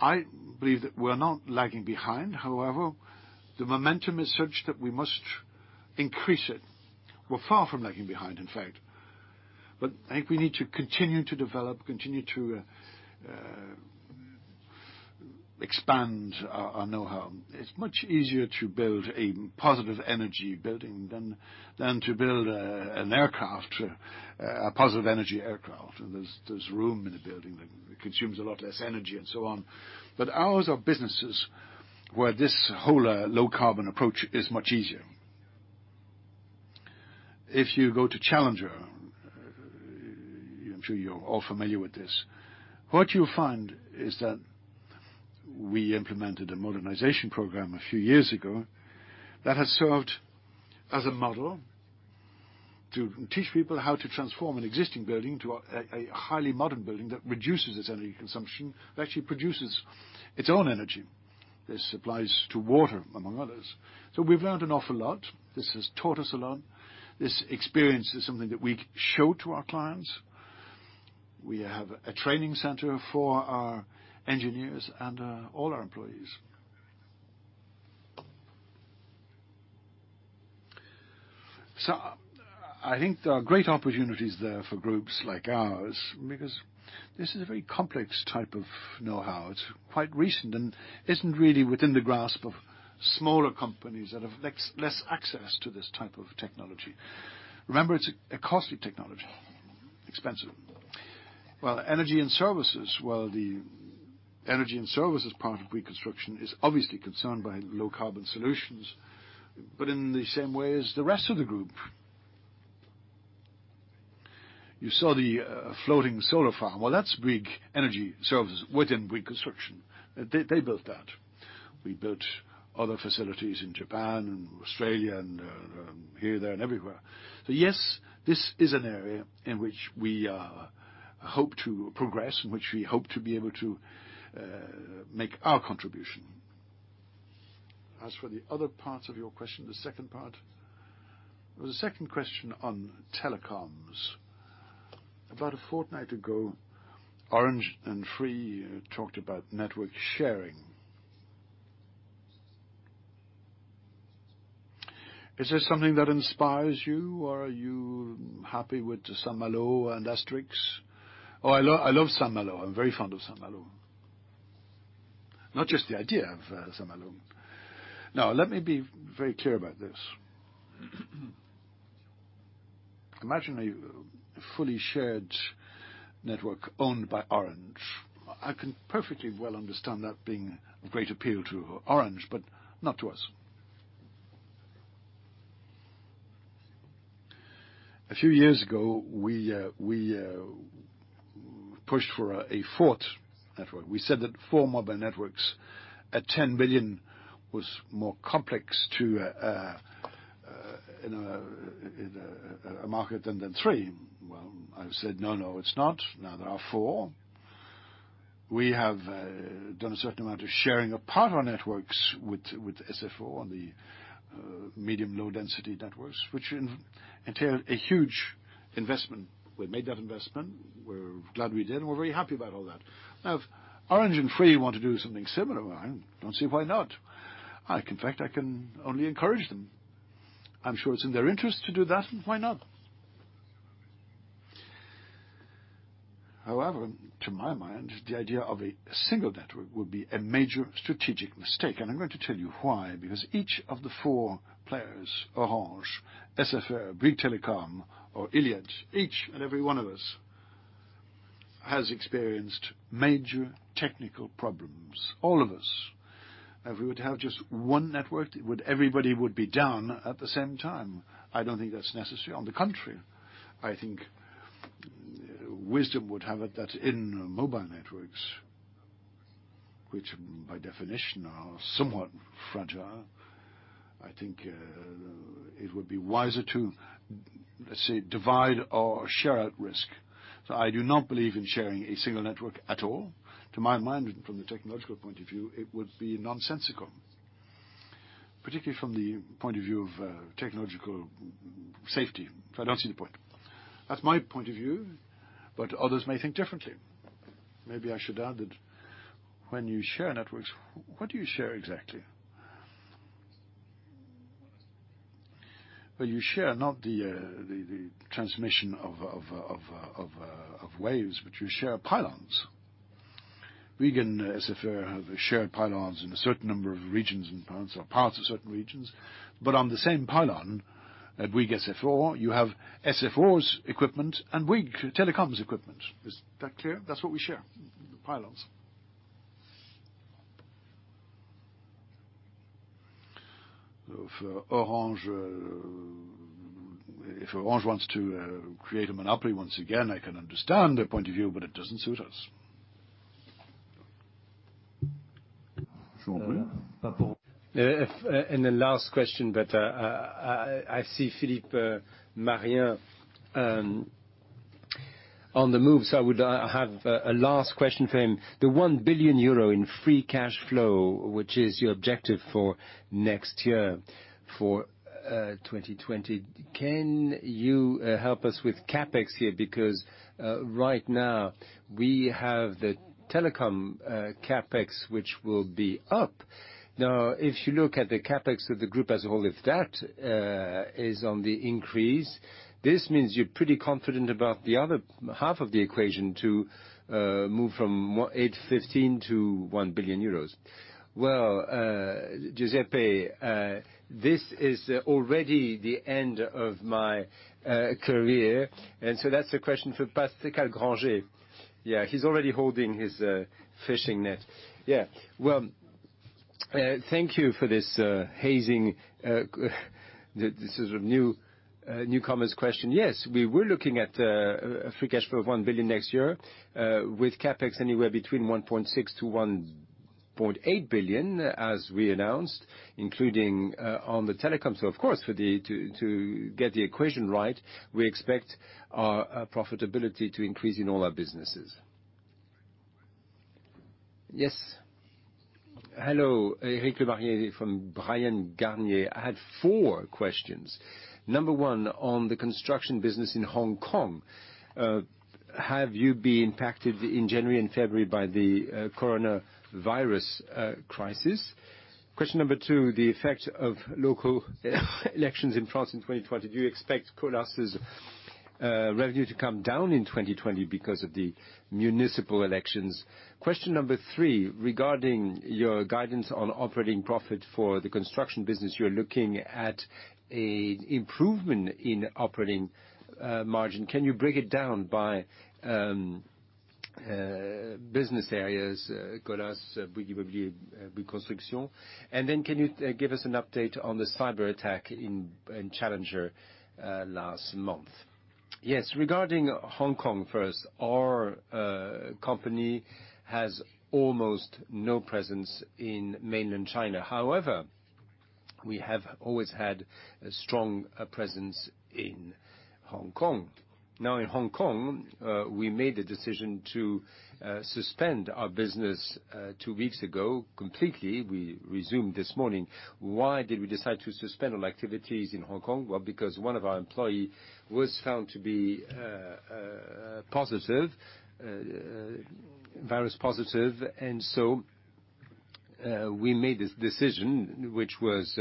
I believe that we're not lagging behind. The momentum is such that we must increase it. We're far from lagging behind, in fact, but I think we need to continue to develop, continue to expand our know-how. It's much easier to build a positive energy building than to build an aircraft, a positive energy aircraft. There's room in a building that consumes a lot less energy and so on. Ours are businesses where this whole low carbon approach is much easier. If you go to Challenger, I'm sure you're all familiar with this. What you'll find is that we implemented a modernization program a few years ago that has served as a model to teach people how to transform an existing building to a highly modern building that reduces its energy consumption, that actually produces its own energy. This applies to water, among others. We've learned an awful lot. This has taught us a lot. This experience is something that we show to our clients. We have a training center for our engineers and all our employees. I think there are great opportunities there for groups like ours, because this is a very complex type of knowhow. It's quite recent and isn't really within the grasp of smaller companies that have less access to this type of technology. Remember, it's a costly technology, expensive. Well, energy and services, while the energy and services part of Bouygues Construction is obviously concerned by low carbon solutions, but in the same way as the rest of the group. You saw the floating solar farm, well, that's Bouygues Energies & Services within Bouygues Construction. They built that. We built other facilities in Japan and Australia and here, there, and everywhere. Yes, this is an area in which we hope to progress, in which we hope to be able to make our contribution. For the other parts of your question, the second part. There was a second question on telecoms. About a fortnight ago, Orange and Free talked about network sharing. Is this something that inspires you, or are you happy with Saint-Malo and Asterix? I love Saint-Malo. I'm very fond of Saint-Malo. Not just the idea of Saint-Malo. Let me be very clear about this. Imagine a fully shared network owned by Orange. I can perfectly well understand that being of great appeal to Orange, but not to us. A few years ago, we pushed for a fourth network. We said that four mobile networks at 10 billion was more complex in a market than three. Well, I've said, "No, no, it's not." Now there are four. We have done a certain amount of sharing apart our networks with SFR on the medium-low density networks, which entailed a huge investment. We made that investment. We're glad we did, and we're very happy about all that. Now, if Orange and Free want to do something similar, I don't see why not. In fact, I can only encourage them. I'm sure it's in their interest to do that, and why not? However, to my mind, the idea of a single network would be a major strategic mistake, because each of the four players, Orange, SFR, Bouygues Telecom, or Iliad, each and every one of us has experienced major technical problems, all of us. If we were to have just one network, everybody would be down at the same time. I don't think that's necessary. On the contrary, I think wisdom would have it that in mobile networks, which by definition are somewhat fragile, I think it would be wiser to, let's say, divide or share out risk. I do not believe in sharing a single network at all. To my mind, from the technological point of view, it would be nonsensical, particularly from the point of view of technological safety. I don't see the point. That's my point of view, but others may think differently. Maybe I should add that when you share networks, what do you share exactly? Well, you share not the transmission of waves, but you share pylons. Bouygues and SFR have shared pylons in a certain number of regions and parts of certain regions, but on the same pylon at Bouygues SFR, you have SFR's equipment and Bouygues Telecom's equipment. Is that clear? That's what we share. The pylons. If Orange wants to create a monopoly once again, I can understand their point of view, but it doesn't suit us. The last question, but I see Philippe Marien on the move, so I would have a last question for him. The 1 billion euro in free cash flow, which is your objective for next year, for 2020. Can you help us with CapEx here? Because right now we have the Telecom CapEx, which will be up. Now, if you look at the CapEx of the group as a whole, if that is on the increase, this means you're pretty confident about the other half of the equation to move from 815 to 1 billion euros. Joseph, this is already the end of my career, and so that's a question for Pascal Grangé. He's already holding his fishing net. Thank you for this hazing. This is a newcomer's question. Yes, we were looking at a free cash flow of 1 billion next year, with CapEx anywhere between 1.6 billion-1.8 billion, as we announced, including on the telecom. Of course, to get the equation right, we expect our profitability to increase in all our businesses. Yes. Hello. Eric Le Berrigaud from Bryan Garnier. I have four questions. Number one, on the construction business in Hong Kong, have you been impacted in January and February by the coronavirus crisis? Question number two, the effect of local elections in France in 2020. Do you expect losses-Revenue to come down in 2020 because of the municipal elections. Question number three, regarding your guidance on operating profit for the construction business, you're looking at improvement in operating margin. Can you break it down by business areas, Colas, Bouygues Construction? Can you give us an update on the cyber attack in Challenger last month? Yes, regarding Hong Kong first. Our company has almost no presence in mainland China. However, we have always had a strong presence in Hong Kong. Now in Hong Kong, we made the decision to suspend our business two weeks ago completely. We resumed this morning. Why did we decide to suspend all activities in Hong Kong? Well, because one of our employee was found to be virus positive. We made this decision, which was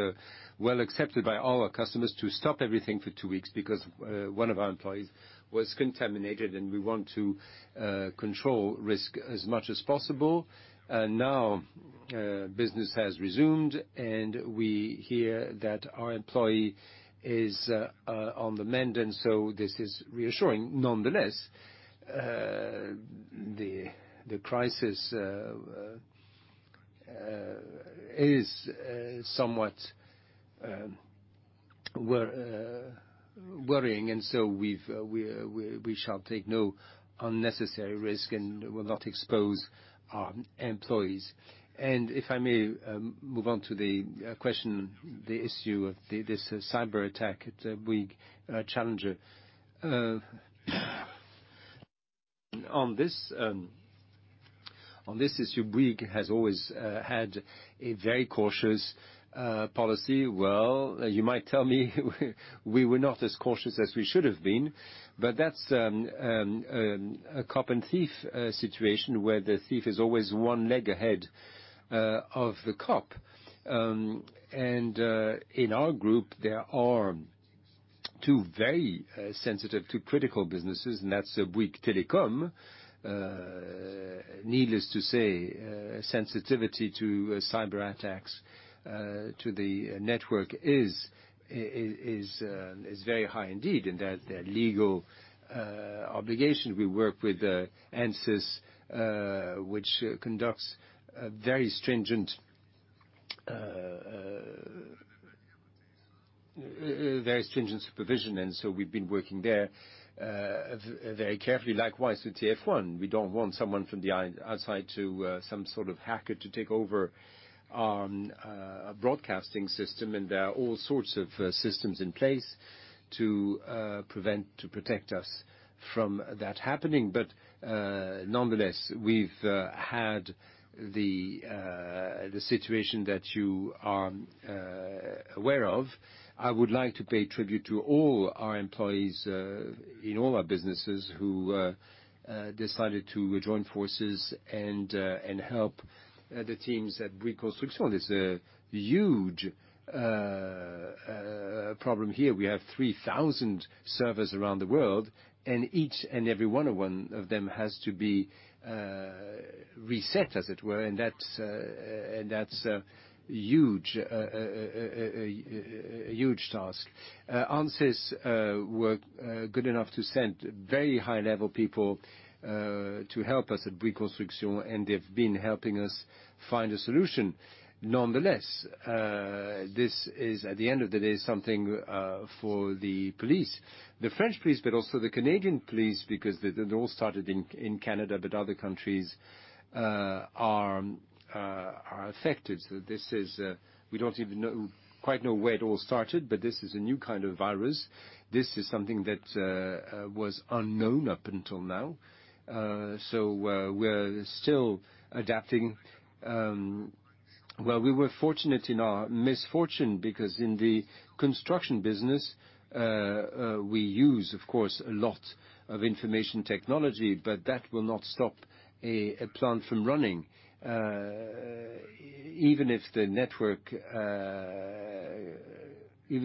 well accepted by all our customers, to stop everything for two weeks because one of our employees was contaminated and we want to control risk as much as possible. Now business has resumed, and we hear that our employee is on the mend, this is reassuring. Nonetheless, the crisis is somewhat worrying, we shall take no unnecessary risk and will not expose our employees. If I may move on to the question, the issue of this cyber attack at Bouygues Construction. On this issue, Bouygues has always had a very cautious policy. Well, you might tell me we were not as cautious as we should have been, that's a cop and thief situation where the thief is always one leg ahead of the cop. In our group, there are two very sensitive, two critical businesses, that's Bouygues Telecom. Needless to say, sensitivity to cyber attacks to the network is very high indeed, there are legal obligations. We work with ANSSI, which conducts very stringent supervision, we've been working there very carefully. Likewise, with TF1. We don't want someone from the outside, some sort of hacker, to take over our broadcasting system, and there are all sorts of systems in place to protect us from that happening. Nonetheless, we've had the situation that you are aware of. I would like to pay tribute to all our employees in all our businesses who decided to join forces and help the teams at Bouygues Construction. There's a huge problem here. We have 3,000 servers around the world, and each and every one of them has to be reset, as it were. That's a huge task. ANSSI were good enough to send very high-level people to help us at Bouygues Construction, and they've been helping us find a solution. Nonetheless, this is, at the end of the day, something for the police. The French police, also the Canadian police, because it all started in Canada, other countries are affected. We don't even quite know where it all started, this is a new kind of virus. This is something that was unknown up until now. We're still adapting. Well, we were fortunate in our misfortune because in the construction business, we use, of course, a lot of information technology, that will not stop a plant from running. Even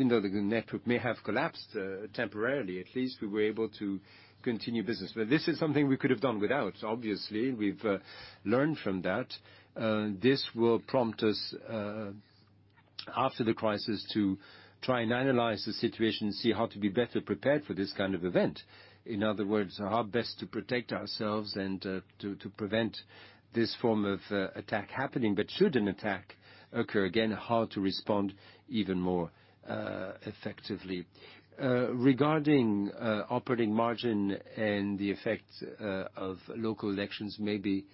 though the network may have collapsed temporarily, at least we were able to continue business. This is something we could have done without. Obviously, we've learned from that. This will prompt us, after the crisis, to try and analyze the situation, see how to be better prepared for this kind of event. In other words, how best to protect ourselves and to prevent this form of attack happening. Should an attack occur again, how to respond even more effectively. Regarding operating margin and the effect of local elections, maybe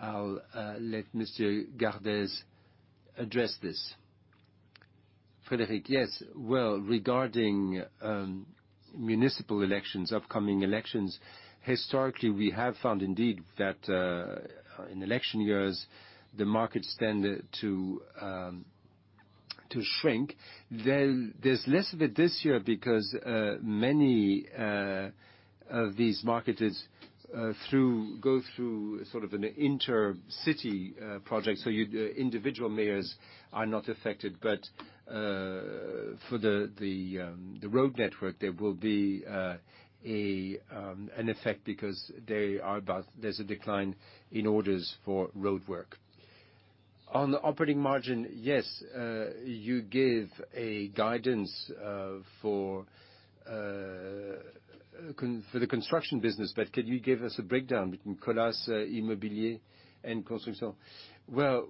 I'll let Mr. Gardès address this. Frédéric, yes. Well, regarding municipal elections, upcoming elections, historically, we have found indeed that in election years, the markets tend to shrink. There's less of it this year because of these markets go through sort of an intercity project. Individual mayors are not affected, but for the road network, there will be an effect because there's a decline in orders for roadwork. On the operating margin, yes. You gave a guidance for the construction business, but can you give us a breakdown between Colas, Immobilier, and Construction? Well,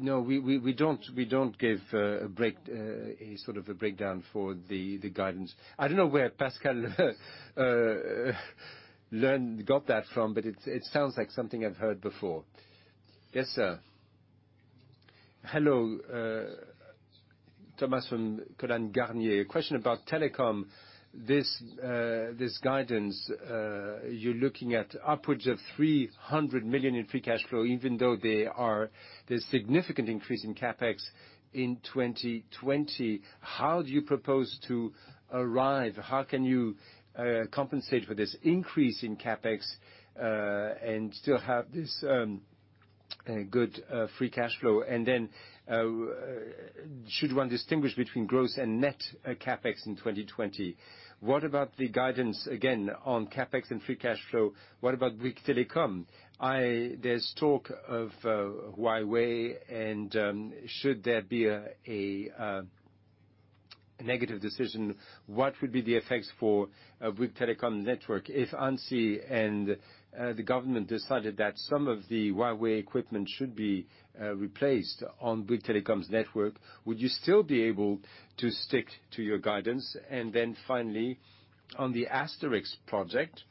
no, we don't give a breakdown for the guidance. I don't know where Pascal got that from, but it sounds like something I've heard before. Yes, sir. Hello. Thomas from Bryan Garnier. A question about telecom. This guidance, you're looking at upwards of 300 million in free cash flow, even though there's significant increase in CapEx in 2020. How can you compensate for this increase in CapEx, and still have this good free cash flow? Should one distinguish between gross and net CapEx in 2020? The guidance again on CapEx and free cash flow? Bouygues Telecom? There's talk of Huawei, and should there be a negative decision, what would be the effects for Bouygues Telecom network if ANSSI and the government decided that some of the Huawei equipment should be replaced on Bouygues Telecom's network? Would you still be able to stick to your guidance? Finally, on the Astérix project,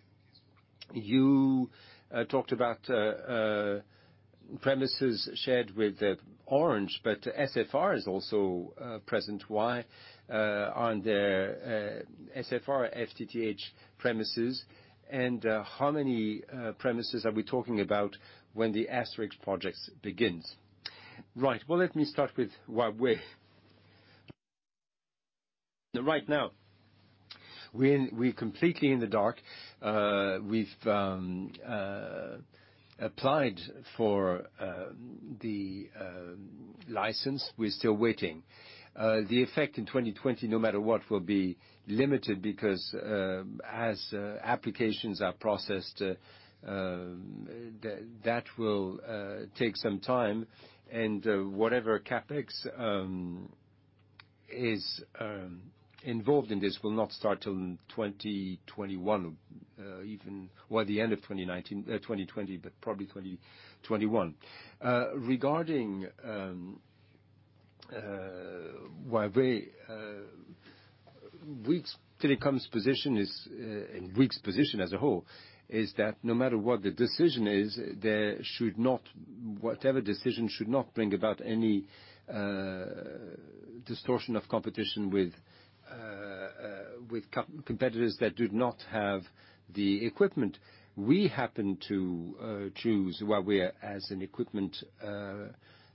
you talked about premises shared with Orange, but SFR is also present. Why aren't there SFR FTTH premises, and how many premises are we talking about when the Parc Astérix project begins? Well, let me start with Huawei. Right now, we're completely in the dark. We've applied for the license. We're still waiting. The effect in 2020, no matter what, will be limited because as applications are processed, that will take some time, and whatever CapEx is involved in this will not start till 2021, or the end of 2020, but probably 2021. Regarding Huawei, Bouygues Telecom's position is, and Bouygues' position as a whole, is that no matter what the decision is, whatever decision should not bring about any distortion of competition with competitors that do not have the equipment. We happened to choose Huawei as an equipment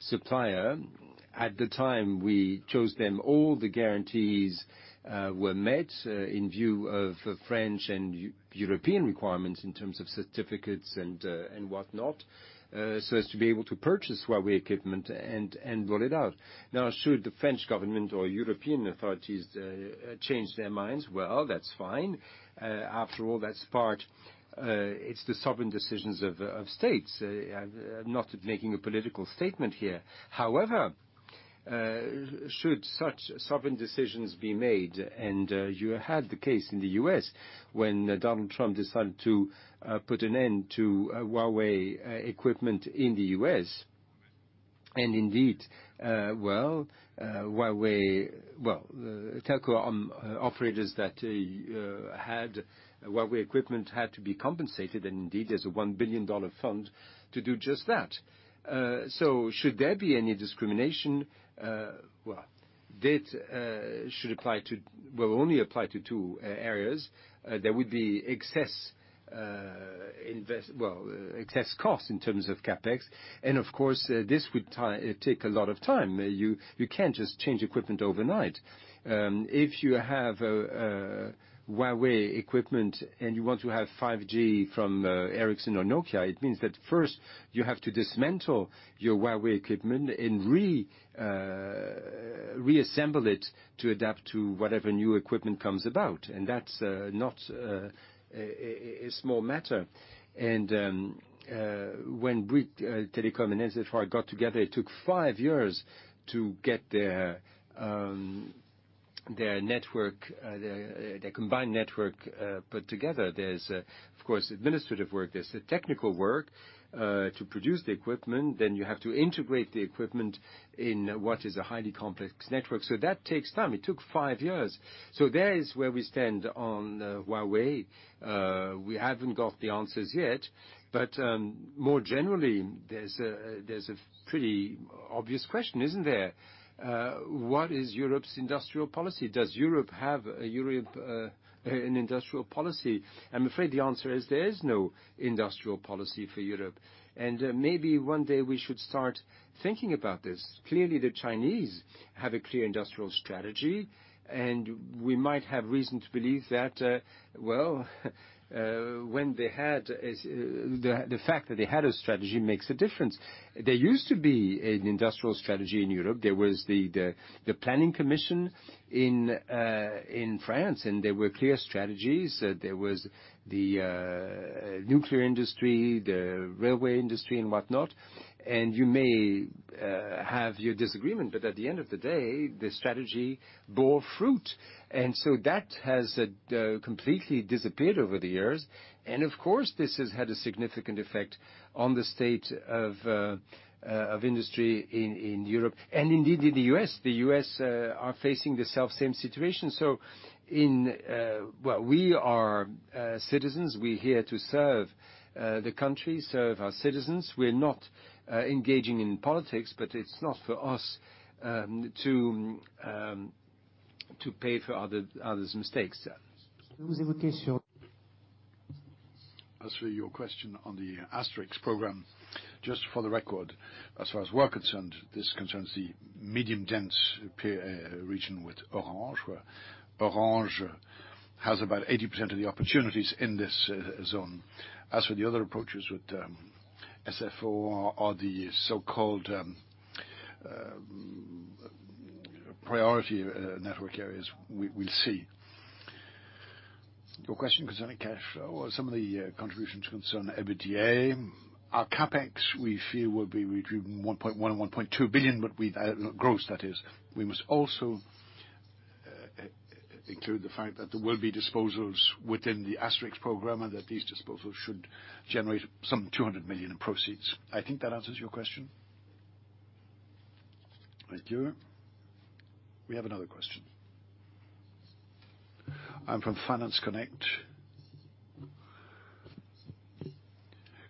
supplier. At the time we chose them, all the guarantees were met in view of French and European requirements in terms of certificates and whatnot, so as to be able to purchase Huawei equipment and roll it out. Should the French government or European authorities change their minds, well, that's fine. After all, it's the sovereign decisions of states. I'm not making a political statement here. Should such sovereign decisions be made, and you had the case in the U.S. when Donald Trump decided to put an end to Huawei equipment in the U.S., and indeed, well, telco operators that had Huawei equipment had to be compensated, and indeed, there's a $1 billion fund to do just that. Should there be any discrimination, well, that will only apply to two areas. There would be excess cost in terms of CapEx, and of course, this would take a lot of time. You can't just change equipment overnight. If you have Huawei equipment and you want to have 5G from Ericsson or Nokia, it means that first you have to dismantle your Huawei equipment and reassemble it to adapt to whatever new equipment comes about. That's not a small matter. When Bouygues Telecom and SFR got together, it took five years to get their combined network put together. There's, of course, administrative work. There's the technical work to produce the equipment. You have to integrate the equipment in what is a highly complex network. That takes time. It took five years. There is where we stand on Huawei. We haven't got the answers yet. More generally, there's a pretty obvious question, isn't there? What is Europe's industrial policy? Does Europe have an industrial policy? I'm afraid the answer is there is no industrial policy for Europe. Maybe one day we should start thinking about this. Clearly, the Chinese have a clear industrial strategy, and we might have reason to believe that, well, the fact that they had a strategy makes a difference. There used to be an industrial strategy in Europe. There was the Commissariat au Plan in France, and there were clear strategies. There was the nuclear industry, the railway industry and whatnot. You may have your disagreement, but at the end of the day, the strategy bore fruit. That has completely disappeared over the years. Of course, this has had a significant effect on the state of industry in Europe, and indeed in the U.S. The U.S. are facing the self-same situation. We are citizens. We're here to serve the country, serve our citizens. We're not engaging in politics, but it's not for us to pay for others' mistakes. As for your question on the Parc Astérix program, just for the record, as far as we're concerned, this concerns the medium dense region with Orange, where Orange has about 80% of the opportunities in this zone. As for the other approaches with SFR or the so-called priority network areas, we'll see. Your question concerning cash flow or some of the contributions concerning EBITDA. Our CapEx, we feel will be between 1.1 billion and 1.2 billion, gross that is. We must also include the fact that there will be disposals within the Parc Astérix program, and that these disposals should generate some 200 million in proceeds. I think that answers your question. Thank you. We have another question. I'm from Finance Connect.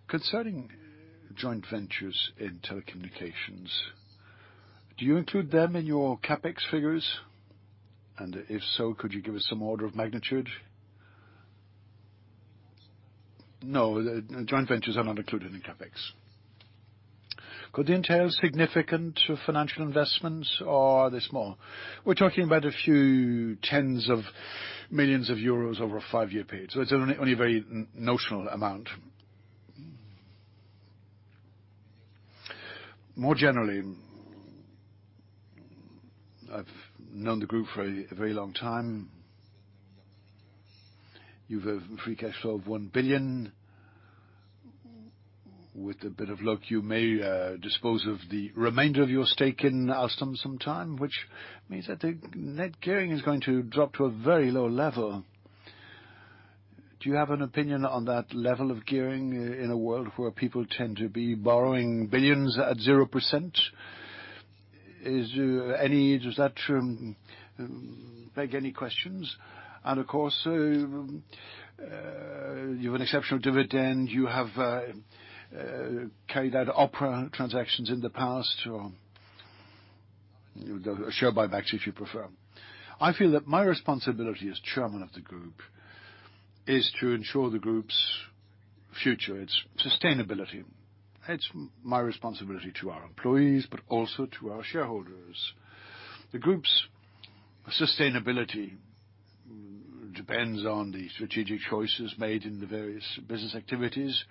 Concerning joint ventures in telecommunications, do you include them in your CapEx figures? If so, could you give us some order of magnitude? No, joint ventures are not included in CapEx. Could they entail significant financial investments, or are they small? We're talking about a few tens of millions of EUR over a five-year period, so it's only a very notional amount. More generally, I've known the group for a very long time. You've a free cash flow of 1 billion. With a bit of luck, you may dispose of the remainder of your stake in Alstom sometime, which means that the net gearing is going to drop to a very low level. Do you have an opinion on that level of gearing in a world where people tend to be borrowing billions at 0%? Does that beg any questions? Of course, you have an exceptional dividend. You have carried out OPRA transactions in the past, or share buybacks, if you prefer. I feel that my responsibility as chairman of the group is to ensure the group's future, its sustainability. It's my responsibility to our employees, but also to our shareholders. The group's sustainability depends on the strategic choices made in the various business activities,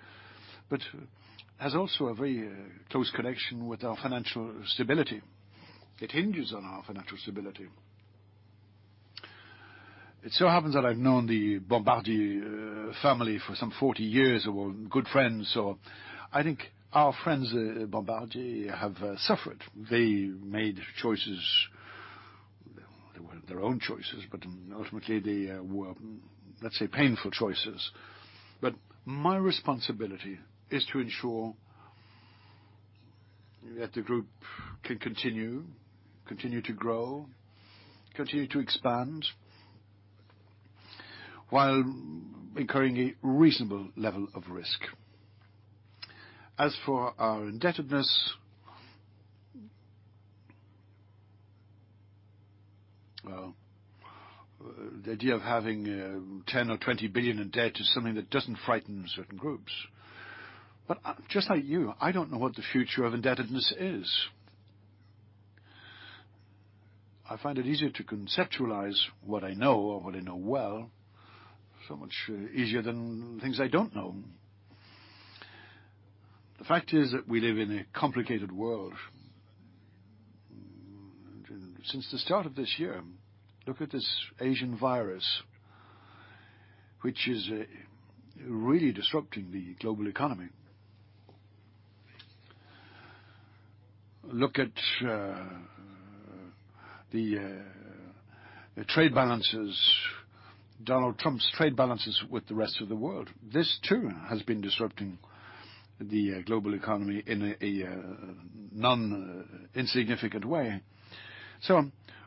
has also a very close connection with our financial stability. It hinges on our financial stability. It so happens that I've known the Bombardier family for some 40 years, and we're good friends. I think our friends at Bombardier have suffered. They made choices. They were their own choices, but ultimately, they were, let's say, painful choices. My responsibility is to ensure that the group can continue to grow, continue to expand, while incurring a reasonable level of risk. As for our indebtedness, the idea of having 10 billion or 20 billion in debt is something that doesn't frighten certain groups. Just like you, I don't know what the future of indebtedness is. I find it easier to conceptualize what I know, or what I know well, so much easier than things I don't know. The fact is that we live in a complicated world. Since the start of this year, look at this Asian virus, which is really disrupting the global economy. Look at Donald Trump's trade balances with the rest of the world. This too has been disrupting the global economy in a non-insignificant way.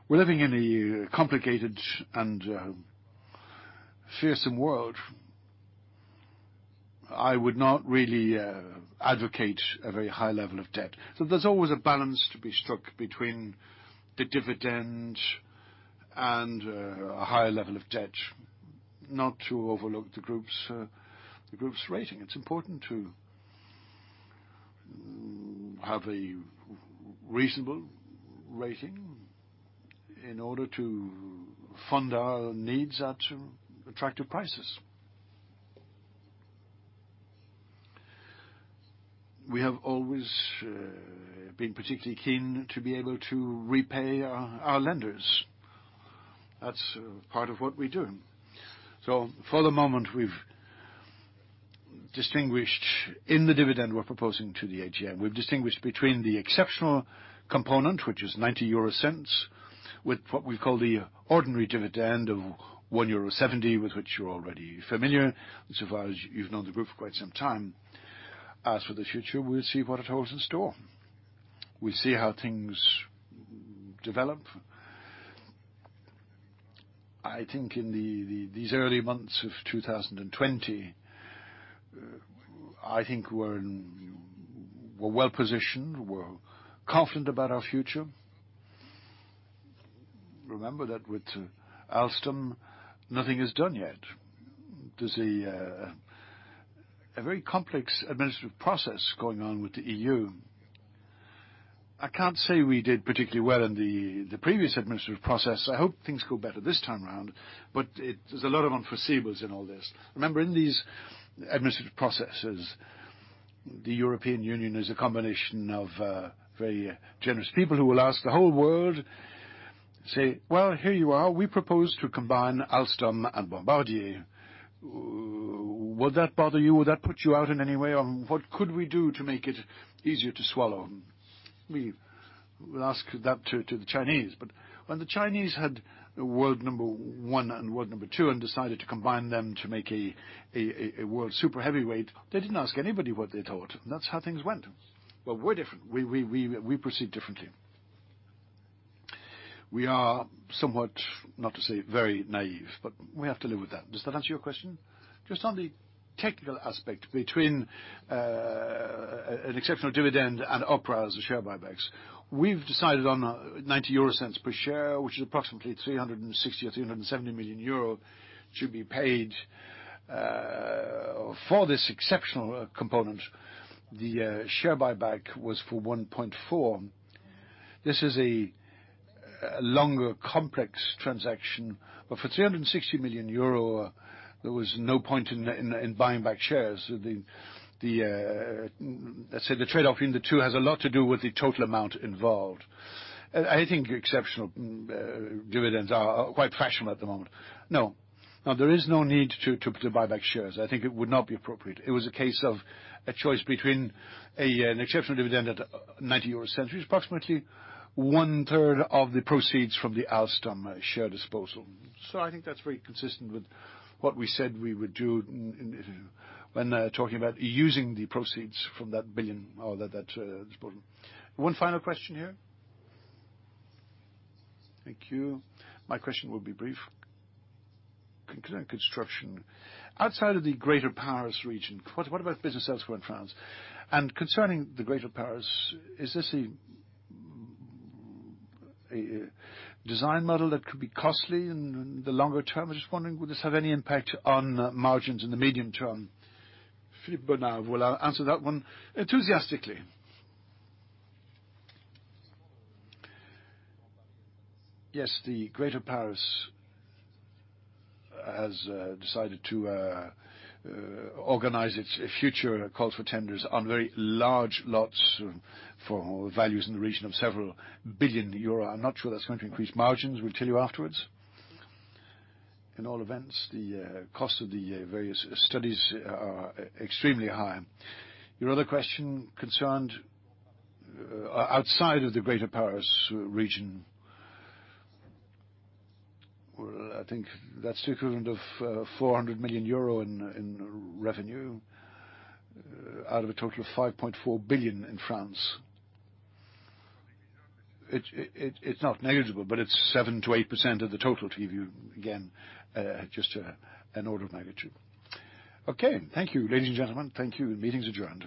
We're living in a complicated and fearsome world. I would not really advocate a very high level of debt. There's always a balance to be struck between the dividend and a higher level of debt. Not to overlook the group's rating. It's important to have a reasonable rating in order to fund our needs at attractive prices. We have always been particularly keen to be able to repay our lenders. That's part of what we do. For the moment, we've distinguished in the dividend we're proposing to the AGM between the exceptional component, which is 0.90, with what we call the ordinary dividend of 1.70 euro, with which you're already familiar, so far as you've known the group for quite some time. As for the future, we'll see what it holds in store. We see how things develop. In these early months of 2020, I think we're well-positioned, we're confident about our future. Remember that with Alstom, nothing is done yet. There's a very complex administrative process going on with the EU. I can't say we did particularly well in the previous administrative process. I hope things go better this time round, but there's a lot of unforeseeables in all this. Remember, in these administrative processes, the European Union is a combination of very generous people who will ask the whole world, say, "Well, here you are. We propose to combine Alstom and Bombardier. Would that bother you? Would that put you out in any way, or what could we do to make it easier to swallow?" We will ask that to the Chinese, but when the Chinese had world number one and world number two and decided to combine them to make a world super heavyweight, they didn't ask anybody what they thought. That's how things went. We're different. We proceed differently. We are somewhat, not to say very naive, but we have to live with that. Does that answer your question? Just on the technical aspect between an exceptional dividend and OPRA as the share buybacks, we've decided on 0.90 per share, which is approximately 360 or 370 million euro to be paid for this exceptional component. The share buyback was for 1.4. This is a longer, complex transaction, but for 360 million euro, there was no point in buying back shares. Let's say the trade-off between the two has a lot to do with the total amount involved. I think exceptional dividends are quite fashionable at the moment. No. Now, there is no need to buy back shares. I think it would not be appropriate. It was a case of a choice between an exceptional dividend at 0.90 euro, which is approximately 1/3 of the proceeds from the Alstom share disposal. I think that's very consistent with what we said we would do when talking about using the proceeds from that 1 billion, or that disposal. One final question here? Thank you. My question will be brief. Concerning construction. Outside of the Greater Paris region, what about business elsewhere in France? Concerning the Greater Paris, is this a design model that could be costly in the longer term? I'm just wondering, would this have any impact on margins in the medium term? Philippe Bonnave will answer that one enthusiastically. Yes, the Greater Paris has decided to organize its future calls for tenders on very large lots for values in the region of several billion EUR. I'm not sure that's going to increase margins. We'll tell you afterwards. In all events, the cost of the various studies are extremely high. Your other question concerned outside of the Greater Paris region. I think that's equivalent of 400 million euro in revenue out of a total of 5.4 billion in France. It's not negligible, but it's 7%-8% of the total, to give you, again, just an order of magnitude. Okay. Thank you, ladies and gentlemen. Thank you. The meeting's adjourned.